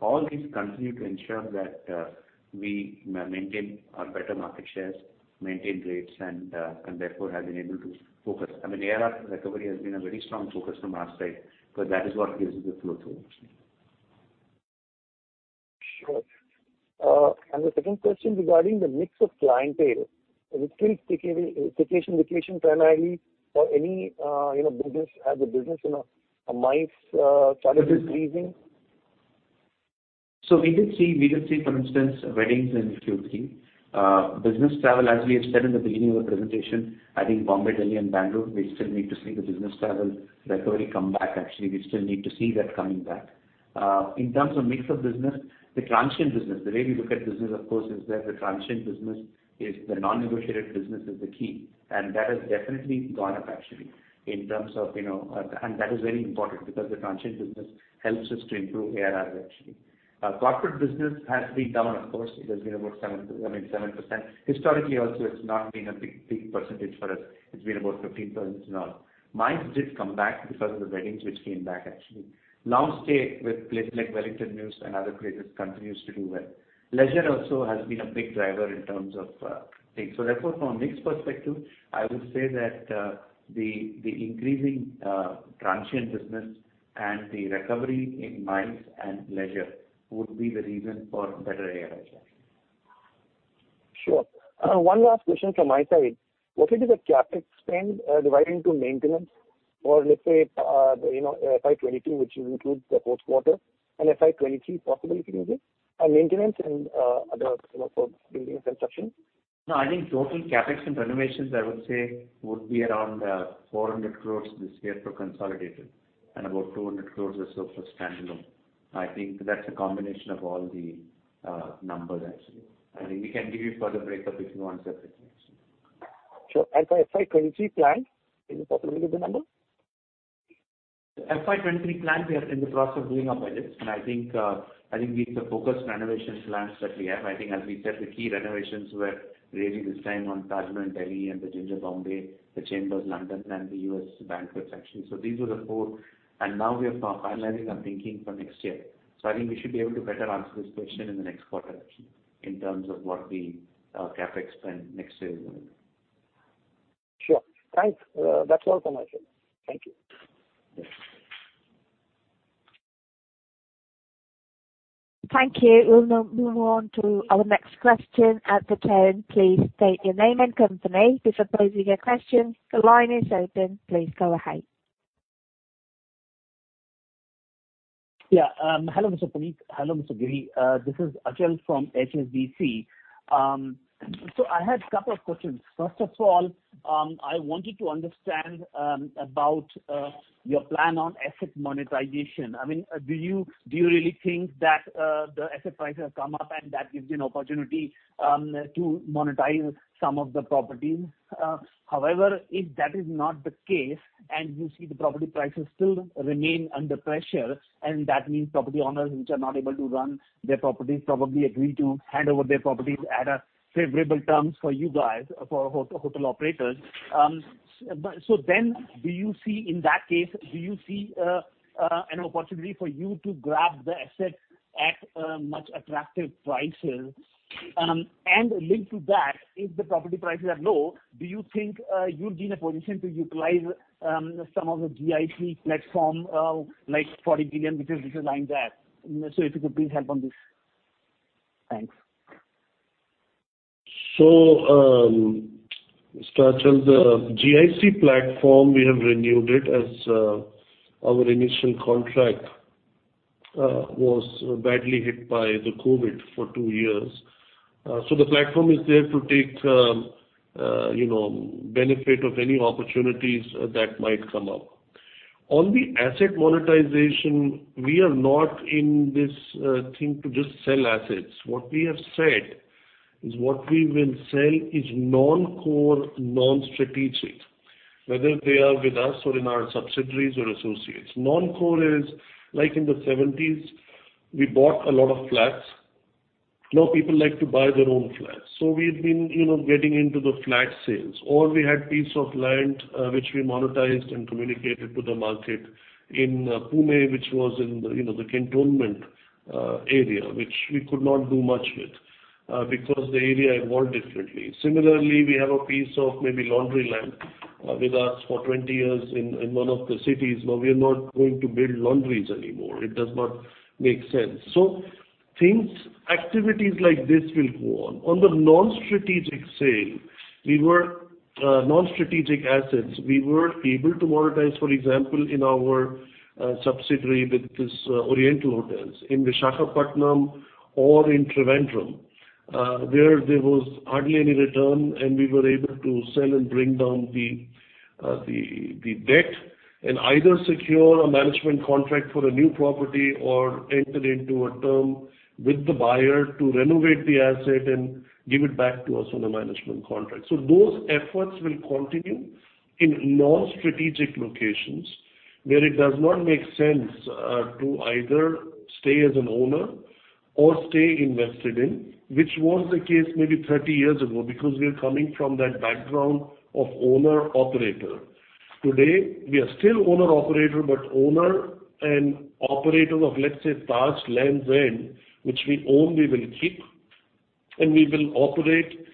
Speaker 3: All these continue to ensure that we maintain our better market shares, maintain rates, and therefore have been able to focus. I mean, ARR recovery has been a very strong focus from our side, because that is what gives you the flow through actually.
Speaker 10: Sure. The second question regarding the mix of clientele, is it still vacation location primarily or any, you know, business as a business, you know, a MICE, challenges increasing?
Speaker 3: We did see for instance weddings in Q3. Business travel, as we have said in the beginning of the presentation, I think Bombay, Delhi and Bangalore, we still need to see the business travel recovery come back. Actually, we still need to see that coming back. In terms of mix of business, the transient business, the way we look at business of course is that the transient business is the non-negotiated business is the key. That has definitely gone up actually in terms of, you know. That is very important because the transient business helps us to improve ARRs actually. Corporate business has been down of course. It has been about 7%, I mean, 7%. Historically also, it's not been a big percentage for us. It's been about 15% or not. MICE did come back because of the weddings which came back actually. Long stay with places like Wellington Mews and other places continues to do well. Leisure also has been a big driver in terms of things. Therefore from a mix perspective, I would say that the increasing transient business and the recovery in MICE and leisure would be the reason for better ARR actually.
Speaker 10: Sure. One last question from my side. What is the CapEx spend divided into maintenance or let's say you know FY 2022, which includes the fourth quarter and FY 2023 possibly if you can give? Maintenance and other you know for buildings and such things.
Speaker 3: No, I think total CapEx and renovations I would say would be around 400 crore this year for consolidated and about 200 crore or so for standalone. I think that's a combination of all the numbers actually. I mean, we can give you further breakup if you want separate actually.
Speaker 10: Sure. For FY 2023 plan, is it possible to give the number?
Speaker 3: FY 2023 plan, we are in the process of doing our budgets, and I think the focused renovations plans that we have. I think as we said, the key renovations were really this time on Taj in Delhi and The Ginger Bombay, The Chambers London and the U.S. banquet actually. These were the four. Now we are finalizing our thinking for next year. I think we should be able to better answer this question in the next quarter actually, in terms of what the CapEx spend next year is going to be.
Speaker 10: Sure. Thanks. That's all from my side. Thank you.
Speaker 3: Yes.
Speaker 1: Thank you. We'll now move on to our next question at the tone. Please state your name and company before posing your question. The line is open. Please go ahead.
Speaker 11: Yeah. Hello Mr. Puneet, hello Mr. Giri. This is Achal from HSBC. So I had a couple of questions. First of all, I wanted to understand about your plan on asset monetization. I mean, do you really think that the asset prices have come up and that gives you an opportunity to monetize some of the properties? However, if that is not the case and you see the property prices still remain under pressure, and that means property owners which are not able to run their properties probably agree to hand over their properties at a favorable terms for you guys, for hotel operators. Do you see in that case an opportunity for you to grab the asset at much attractive prices? Linked to that, if the property prices are low, do you think you'd be in a position to utilize some of the GIC platform, like 40 billion which is lying there? If you could please help on this. Thanks.
Speaker 3: Mr. Achal, the GIC platform we have renewed it as our initial contract was badly hit by the COVID for two years. The platform is there to take you know benefit of any opportunities that might come up. On the asset monetization, we are not in this thing to just sell assets. What we have said is what we will sell is non-core, non-strategic, whether they are with us or in our subsidiaries or associates. Non-core is like in the seventies, we bought a lot of flats. Now people like to buy their own flats. We've been you know getting into the flat sales. We had a piece of land which we monetized and communicated to the market in Pune, which was in the, you know, the cantonment area, which we could not do much with because the area evolved differently. Similarly, we have a piece of maybe laundry land with us for 20 years in one of the cities. Now we are not going to build laundries anymore. It does not make sense. Things, activities like this will go on. On the non-strategic sales, we were able to monetize non-strategic assets, for example in our subsidiary Oriental Hotels in Visakhapatnam or in Trivandrum.
Speaker 2: Where there was hardly any return and we were able to sell and bring down the debt and either secure a management contract for a new property or enter into a term with the buyer to renovate the asset and give it back to us on a management contract. Those efforts will continue in non-strategic locations where it does not make sense to either stay as an owner or stay invested in, which was the case maybe 30 years ago, because we are coming from that background of owner-operator. Today, we are still owner-operator, but owner and operator of, let's say, Taj Lands End, which we own, we will keep, and we will operate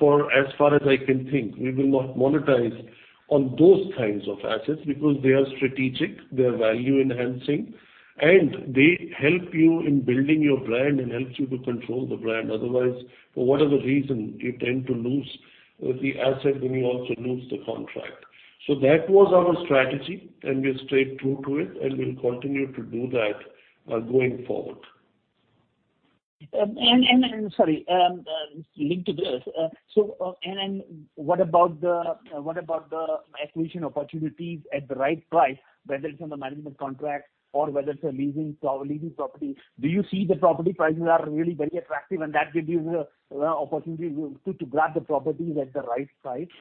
Speaker 2: for as far as I can think. We will not monetize on those kinds of assets because they are strategic, they are value enhancing, and they help you in building your brand and helps you to control the brand. Otherwise, for whatever reason you tend to lose the asset when you also lose the contract. That was our strategy, and we stayed true to it, and we'll continue to do that, going forward.
Speaker 11: Sorry, linked to this. What about the acquisition opportunities at the right price, whether it's on a management contract or whether it's a leasing property? Do you see the property prices are really very attractive, and that gives you the opportunity to grab the properties at the right price?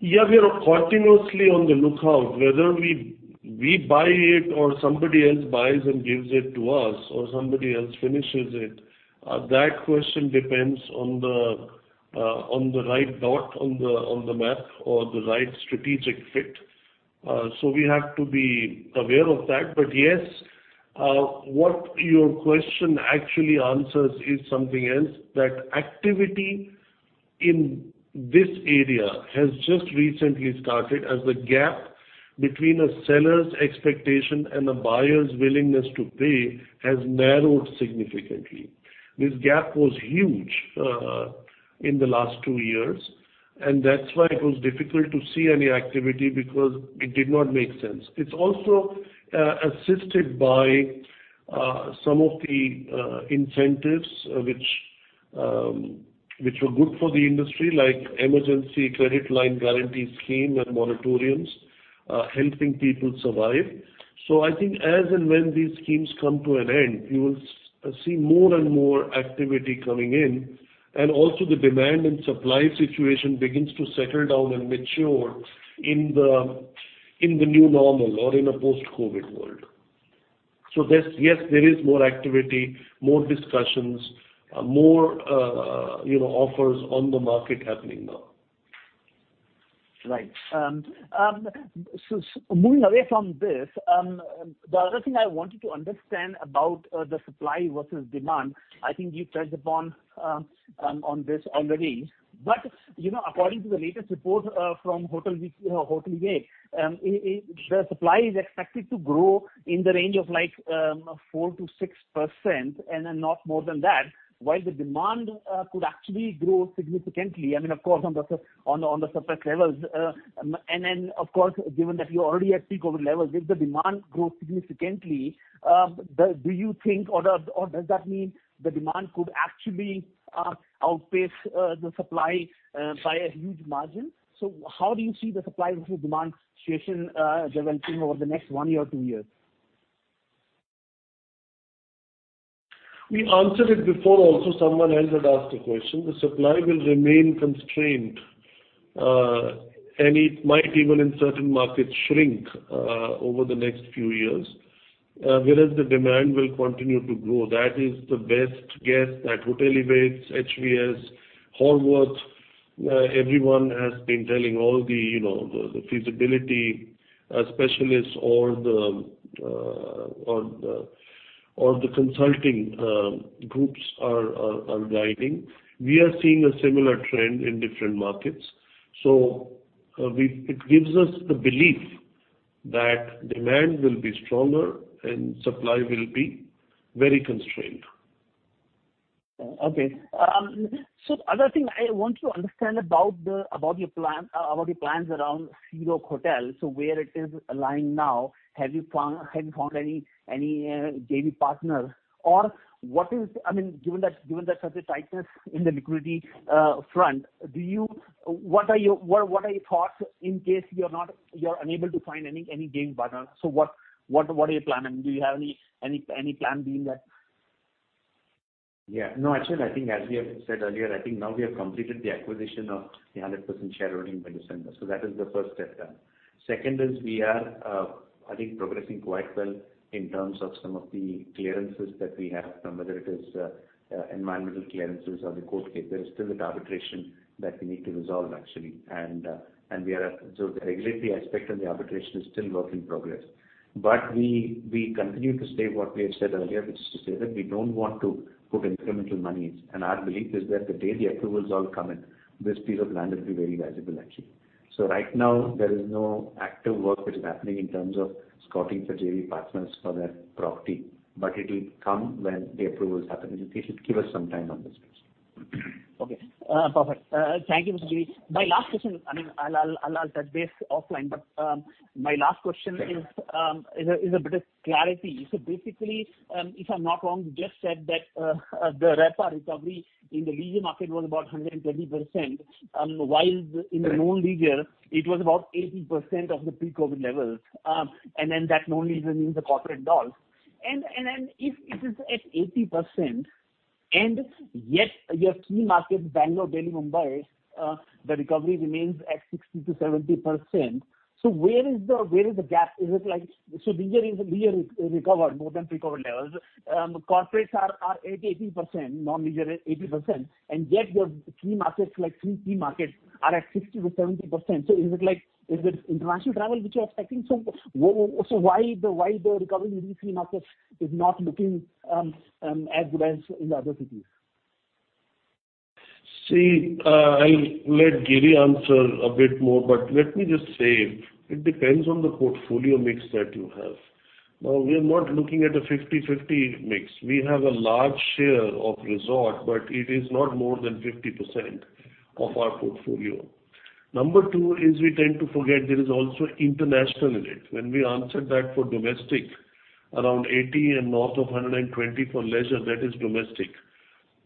Speaker 2: Yeah. We are continuously on the lookout, whether we buy it or somebody else buys and gives it to us or somebody else finishes it. That question depends on the right dot on the map or the right strategic fit. We have to be aware of that. Yes, what your question actually answers is something else, that activity in this area has just recently started as the gap between a seller's expectation and a buyer's willingness to pay has narrowed significantly. This gap was huge in the last two years, and that's why it was difficult to see any activity because it did not make sense. It's also assisted by some of the incentives, which were good for the industry, like Emergency Credit Line Guarantee Scheme and moratoriums, helping people survive. I think as and when these schemes come to an end, you will see more and more activity coming in, and also the demand and supply situation begins to settle down and mature in the new normal or in a post-COVID world. There's, yes, there is more activity, more discussions, more, you know, offers on the market happening now.
Speaker 11: Right. Moving away from this, the other thing I wanted to understand about the supply versus demand, I think you've touched upon on this already, but you know, according to the latest report from HVS, the supply is expected to grow in the range of like 4%-6% and then not more than that, while the demand could actually grow significantly. I mean, of course, on the surface levels. Then of course, given that you're already at peak COVID levels, if the demand grows significantly, do you think or does that mean the demand could actually outpace the supply by a huge margin? How do you see the supply versus demand situation developing over the next one year or two years?
Speaker 2: We answered it before also someone else had asked the question. The supply will remain constrained, and it might even in certain markets shrink, over the next few years, whereas the demand will continue to grow. That is the best guess that Hotelivate, HVS, Horwath, everyone has been telling all the feasibility specialists or the consulting groups are guiding. We are seeing a similar trend in different markets. It gives us the belief that demand will be stronger and supply will be very constrained.
Speaker 11: Okay. The other thing I want to understand about your plan, about your plans around Sea Rock Hotel, where it is lying now. Have you found any JV partner? Or what is—I mean, given that there's a tightness in the liquidity front, what are your thoughts in case you're unable to find any JV partner? What are you planning? Do you have any plan B in that?
Speaker 3: Yeah. No, actually, I think as we have said earlier, I think now we have completed the acquisition of the 100% shareholding by December. That is the first step done. Second, we are progressing quite well in terms of some of the clearances that we have, whether it is environmental clearances or the court case. There is still that arbitration that we need to resolve actually. The regulatory aspect and the arbitration is still work in progress. We continue to stay what we have said earlier, which is to say that we don't want to put incremental money in. Our belief is that the day the approvals all come in, this piece of land will be very valuable actually. Right now, there is no active work which is happening in terms of scouting for JV partners for that property, but it will come when the approvals happen. Just give us some time on this please.
Speaker 11: Okay. Perfect. Thank you, Mr. Giri. My last question—I mean, I'll ask that later offline. My last question is a bit of clarity. Basically, if I'm not wrong, you just said that the RevPAR recovery in the leisure market was about 120%, while in the non-leisure it was about 80% of the pre-COVID levels. Then that non-leisure means the corporate deals. Then if it is at 80%, and yet your key markets Bangalore, Delhi, Mumbai, the recovery remains at 60%-70%. Where is the gap? Is it like? Leisure is recovered more than pre-COVID levels. Corporates are at 80%, non-leisure at 80%, and yet your key markets, like three key markets are at 60%-70%. Is it international travel which you are expecting? Why the recovery in these three markets is not looking as good as in the other cities?
Speaker 2: See, I'll let Giri answer a bit more, but let me just say it depends on the portfolio mix that you have. Now we are not looking at a 50/50 mix. We have a large share of resort, but it is not more than 50% of our portfolio. Number two is we tend to forget there is also international in it. When we answered that for domestic, around 80 and north of 120 for leisure, that is domestic.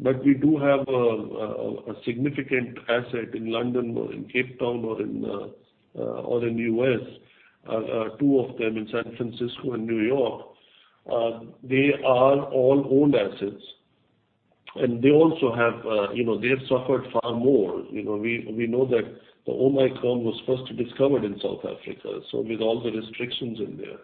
Speaker 2: But we do have a significant asset in London or in Cape Town or in U.S., two of them in San Francisco and New York. They are all owned assets, and they also have, you know, they have suffered far more. You know, we know that the Omicron was first discovered in South Africa, so with all the restrictions in there.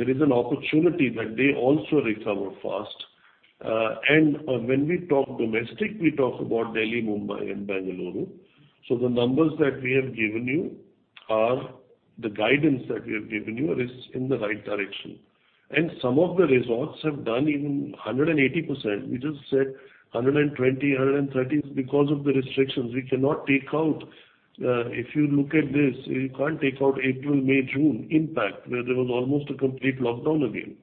Speaker 2: There is an opportunity that they also recover fast. When we talk domestic, we talk about Delhi, Mumbai, and Bengaluru. The numbers that we have given you, the guidance, is in the right direction. Some of the resorts have done even 180%. We just said 120, 130 is because of the restrictions. We cannot take out. If you look at this, you can't take out April, May, June impact, where there was almost a complete lockdown again.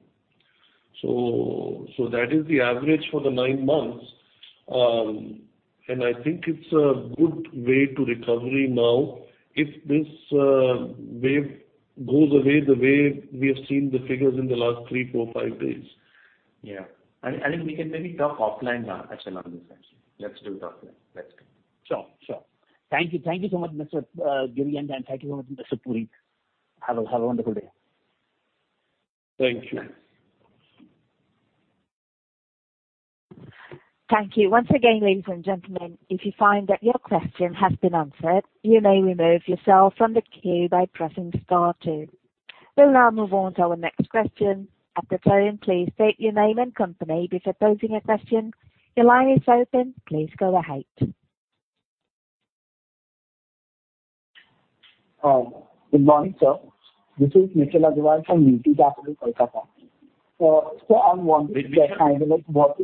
Speaker 2: That is the average for the nine months. I think it's a good way to recovery now if this wave goes away the way we have seen the figures in the last three, four, five days.
Speaker 3: Yeah. We can maybe talk offline actually on this actually. Let's do it offline.
Speaker 11: Sure. Thank you so much, Mr. Giri, and thank you so much, Mr. Puneet. Have a wonderful day.
Speaker 2: Thank you.
Speaker 1: Thank you. Once again, ladies and gentlemen, if you find that your question has been answered, you may remove yourself from the queue by pressing star two. We'll now move on to our next question. At the tone, please state your name and company before posing your question. Your line is open. Please go ahead.
Speaker 12: Good morning, sir. This is Nikhil Agarwal from UTI Capital, Kolkata. I want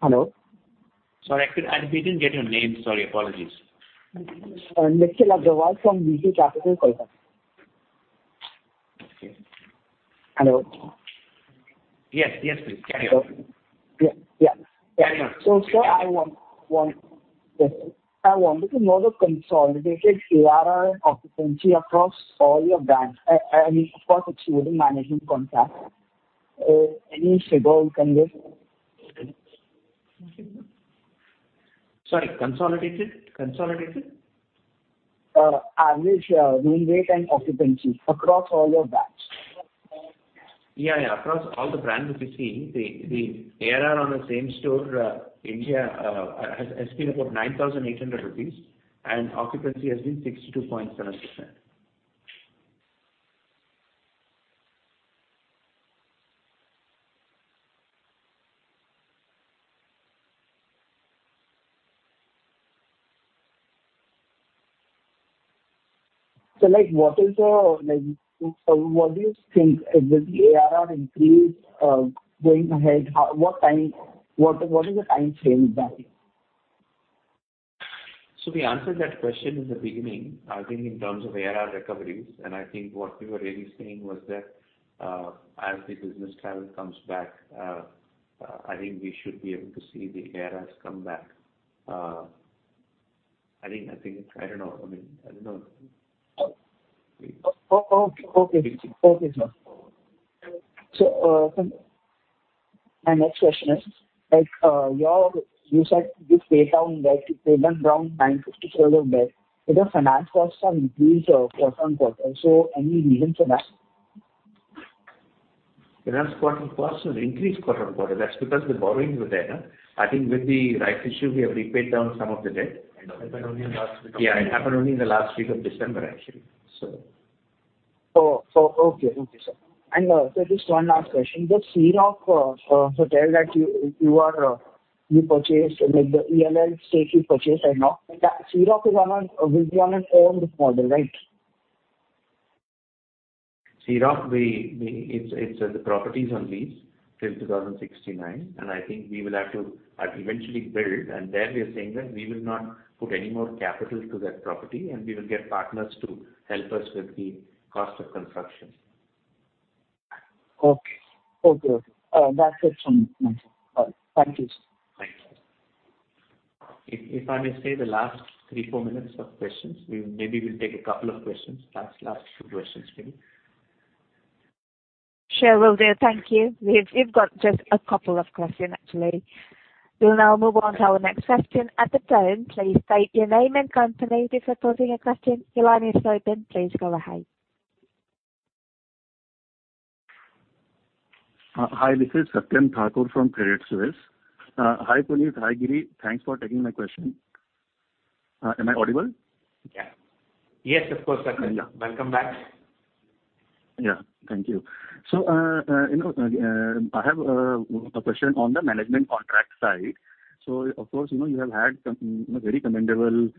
Speaker 12: Hello?
Speaker 3: Sorry, I didn't get your name. Sorry, apologies.
Speaker 12: Nikhil Agarwal from UTI Capital, Kolkata.
Speaker 3: Okay.
Speaker 12: Hello?
Speaker 3: Yes, yes, please carry on.
Speaker 12: Yeah. Yeah.
Speaker 3: Carry on.
Speaker 12: Sir, I wanted to know the consolidated ARR occupancy across all your brands. I mean, of course, excluding management contracts. Any figure you can give?
Speaker 3: Sorry. Consolidated?
Speaker 12: Average room rate and occupancy across all your brands?
Speaker 3: Yeah, yeah. Across all the brands that we see, the ARR on the same store India has been about 9,800 rupees, and occupancy has been 62.7%.
Speaker 12: What do you think will the ARR increase going ahead? What is the timeframe there?
Speaker 3: We answered that question in the beginning, I think in terms of ARR recoveries. I think what we were really saying was that, as the business travel comes back, I think we should be able to see the ARRs come back. I think I don't know. I mean, I don't know.
Speaker 12: Okay, sir. My next question is, like, you said you paid down like INR 950 crore of debt. Your finance costs are increased quarter-over-quarter. Any reason for that?
Speaker 3: Finance costs have increased quarter-over-quarter. That's because the borrowings were there, no? I think with the rights issue, we have paid down some of the debt and all.
Speaker 2: It happened only in the last week of December.
Speaker 3: Yeah, it happened only in the last week of December actually, so.
Speaker 12: Oh. Okay. Okay, sir. Just one last question. The Sea Rock hotel that you purchased, like the full stake you purchased and all. That Sea Rock will be on an owned model, right?
Speaker 3: Sea Rock, the property is on lease till 2069. I think we will have to eventually build, and then we are saying that we will not put any more capital to that property, and we will get partners to help us with the cost of construction.
Speaker 12: Okay. That's it from me. Thank you, sir.
Speaker 3: If I may save the last 3-4 minutes for questions, we maybe will take a couple of questions. Last few questions maybe.
Speaker 1: Sure will do. Thank you. We've got just a couple of questions actually. We'll now move on to our next question. At the tone please state your name and company before posing a question. Your line is open. Please go ahead.
Speaker 13: Hi, this is Satyam Thakur from Credit Suisse. Hi, Puneet. Hi, Giri. Thanks for taking my question. Am I audible?
Speaker 3: Yeah. Yes, of course, Satyam.
Speaker 13: Yeah.
Speaker 3: Welcome back.
Speaker 13: Yeah. Thank you. You know, I have a question on the management contract side. Of course, you know, you have had some, you know, very commendable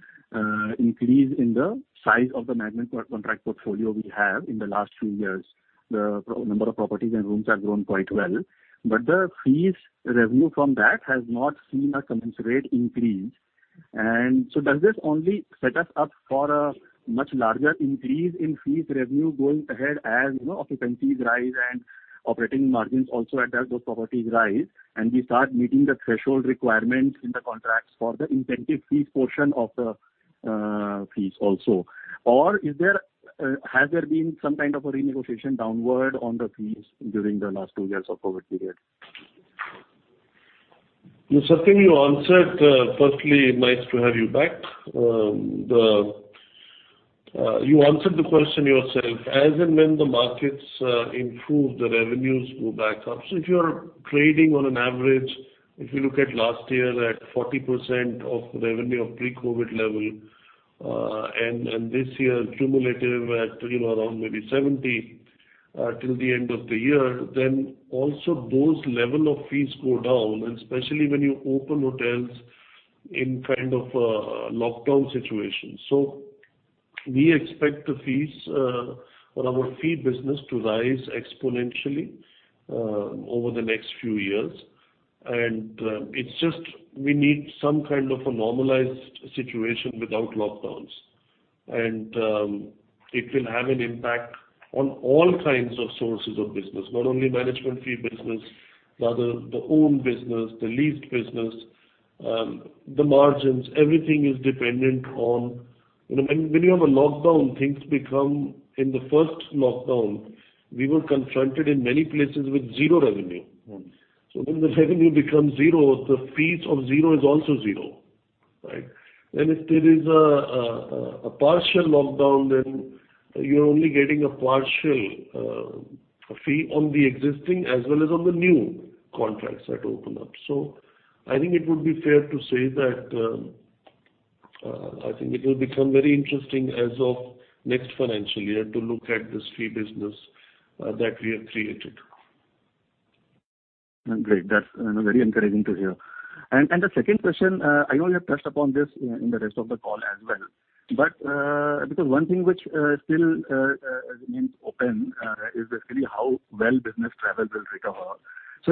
Speaker 13: increase in the size of the management contract portfolio we have in the last few years. The number of properties and rooms have grown quite well, but the fees revenue from that has not seen a commensurate increase. Does this only set us up for a much larger increase in fees revenue going ahead, as, you know, occupancies rise and operating margins also as those properties rise, and we start meeting the threshold requirements in the contracts for the incentive fees portion of the fees also? Or is there, has there been some kind of a renegotiation downward on the fees during the last two years of COVID period?
Speaker 2: Satyam, you answered, firstly, nice to have you back. You answered the question yourself. As and when the markets improve, the revenues go back up. If you are trading on an average, if you look at last year at 40% of the revenue of pre-COVID level, and this year cumulative at, you know, around maybe 70 till the end of the year, then also those level of fees go down, especially when you open hotels in kind of a lockdown situation. We expect the fees or our fee business to rise exponentially over the next few years. It's just we need some kind of a normalized situation without lockdowns. It will have an impact on all kinds of sources of business, not only management fee business, rather the own business, the leased business, the margins. Everything is dependent on, you know, when you have a lockdown, things become. In the first lockdown, we were confronted in many places with zero revenue.
Speaker 13: Mm-hmm.
Speaker 2: When the revenue becomes zero, the fees of zero is also zero, right? If there is a partial lockdown, then you're only getting a partial fee on the existing as well as on the new contracts that open up. I think it would be fair to say that I think it will become very interesting as of next financial year to look at this fee business that we have created.
Speaker 13: Great. That's, you know, very encouraging to hear. The second question, I know you have touched upon this in the rest of the call as well, but because one thing which still remains open is basically how well business travel will recover.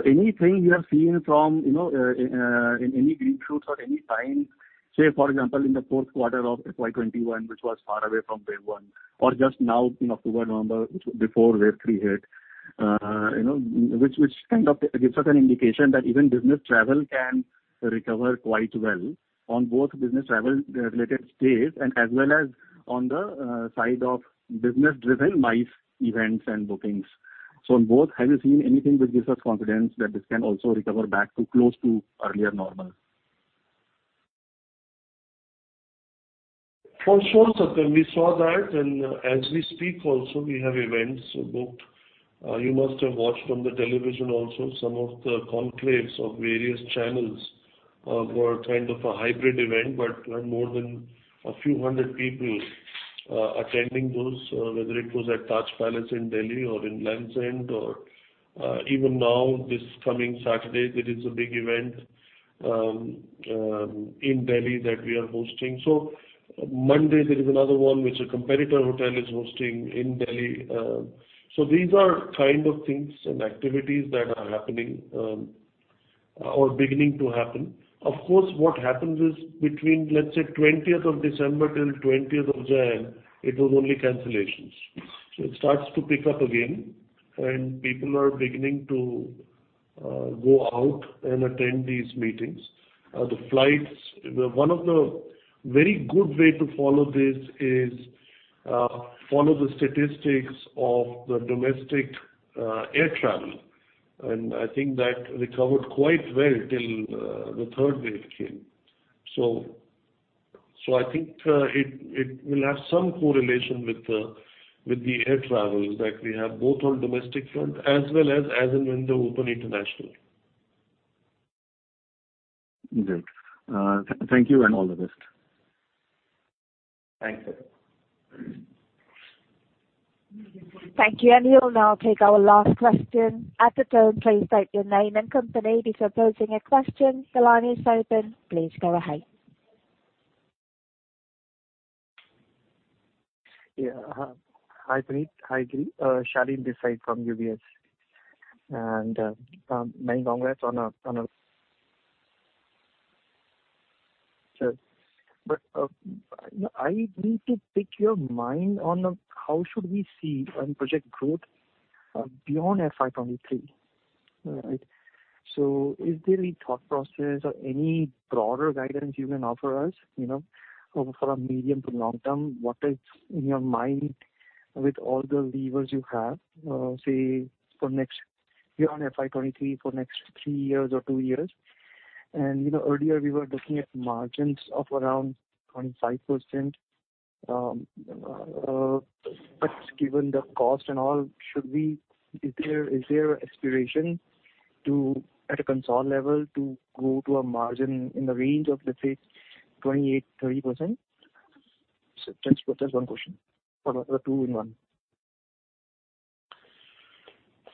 Speaker 13: Anything you have seen from, you know, in any green shoots or any signs, say for example, in the fourth quarter of FY 2021, which was far away from wave one, or just now in October, November before wave three hit, you know, which kind of gives us an indication that even business travel can recover quite well on both business travel related stays and as well as on the side of business driven MICE events and bookings. On both, have you seen anything which gives us confidence that this can also recover back to close to earlier normal?
Speaker 2: For sure, Satyam, we saw that. As we speak also, we have events booked. You must have watched on the television also, some of the conclaves of various channels were kind of a hybrid event, but had more than a few hundred people attending those, whether it was at Taj Palace, New Delhi or in London or even now this coming Saturday there is a big event in Delhi that we are hosting. Monday there is another one which a competitor hotel is hosting in Delhi. These are kind of things and activities that are happening or beginning to happen. Of course, what happens is between, let's say, twentieth of December till twentieth of January, it was only cancellations. It starts to pick up again, and people are beginning to go out and attend these meetings. One of the very good way to follow this is follow the statistics of the domestic air travel. I think that recovered quite well till the third wave came. I think it will have some correlation with the air travel that we have both on domestic front as well as and when they open international.
Speaker 13: Great. Thank you and all the best.
Speaker 3: Thanks, Satyam.
Speaker 1: Thank you. We'll now take our last question. At the tone please state your name and company. If you're posing a question, your line is open. Please go ahead.
Speaker 14: Hi, Puneet. Hi, Giri. Shalin Desai from UBS. Many congrats. I need to pick your brain on how should we see and project growth beyond FY 2023? All right. Is there any thought process or any broader guidance you can offer us, you know, over the medium to long term, what is in your mind with all the levers you have, say for next year, FY 2023, for the next three years or two years? You know, earlier, we were looking at margins of around 25%. Given the cost and all, is there aspiration to, at a consolidated level, to go to a margin in the range of, let's say, 28%-30%? That's one question. Or two in one.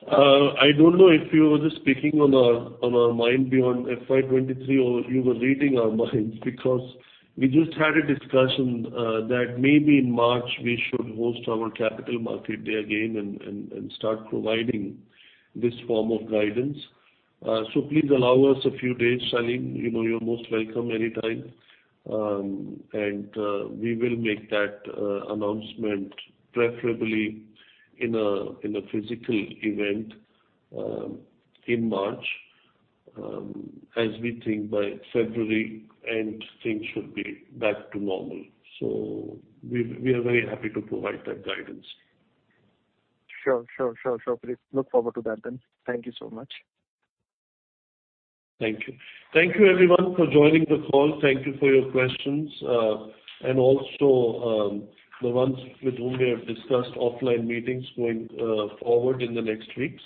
Speaker 2: I don't know if you were just speaking on our mind beyond FY 2023 or you were reading our minds because we just had a discussion that maybe in March we should host our capital market day again and start providing this form of guidance. Please allow us a few days, Shaleen. You know, you're most welcome anytime. We will make that announcement preferably in a physical event in March, as we think by February end things should be back to normal. We are very happy to provide that guidance.
Speaker 14: Sure. Please look forward to that then. Thank you so much.
Speaker 2: Thank you. Thank you everyone for joining the call. Thank you for your questions. Also, the ones with whom we have discussed offline meetings going forward in the next weeks.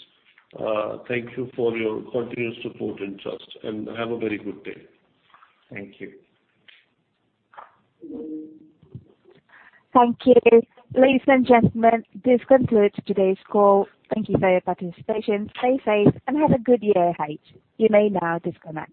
Speaker 2: Thank you for your continuous support and trust, and have a very good day. Thank you.
Speaker 1: Thank you. Ladies and gentlemen, this concludes today's call. Thank you for your participation. Stay safe and have a good year ahead. You may now disconnect.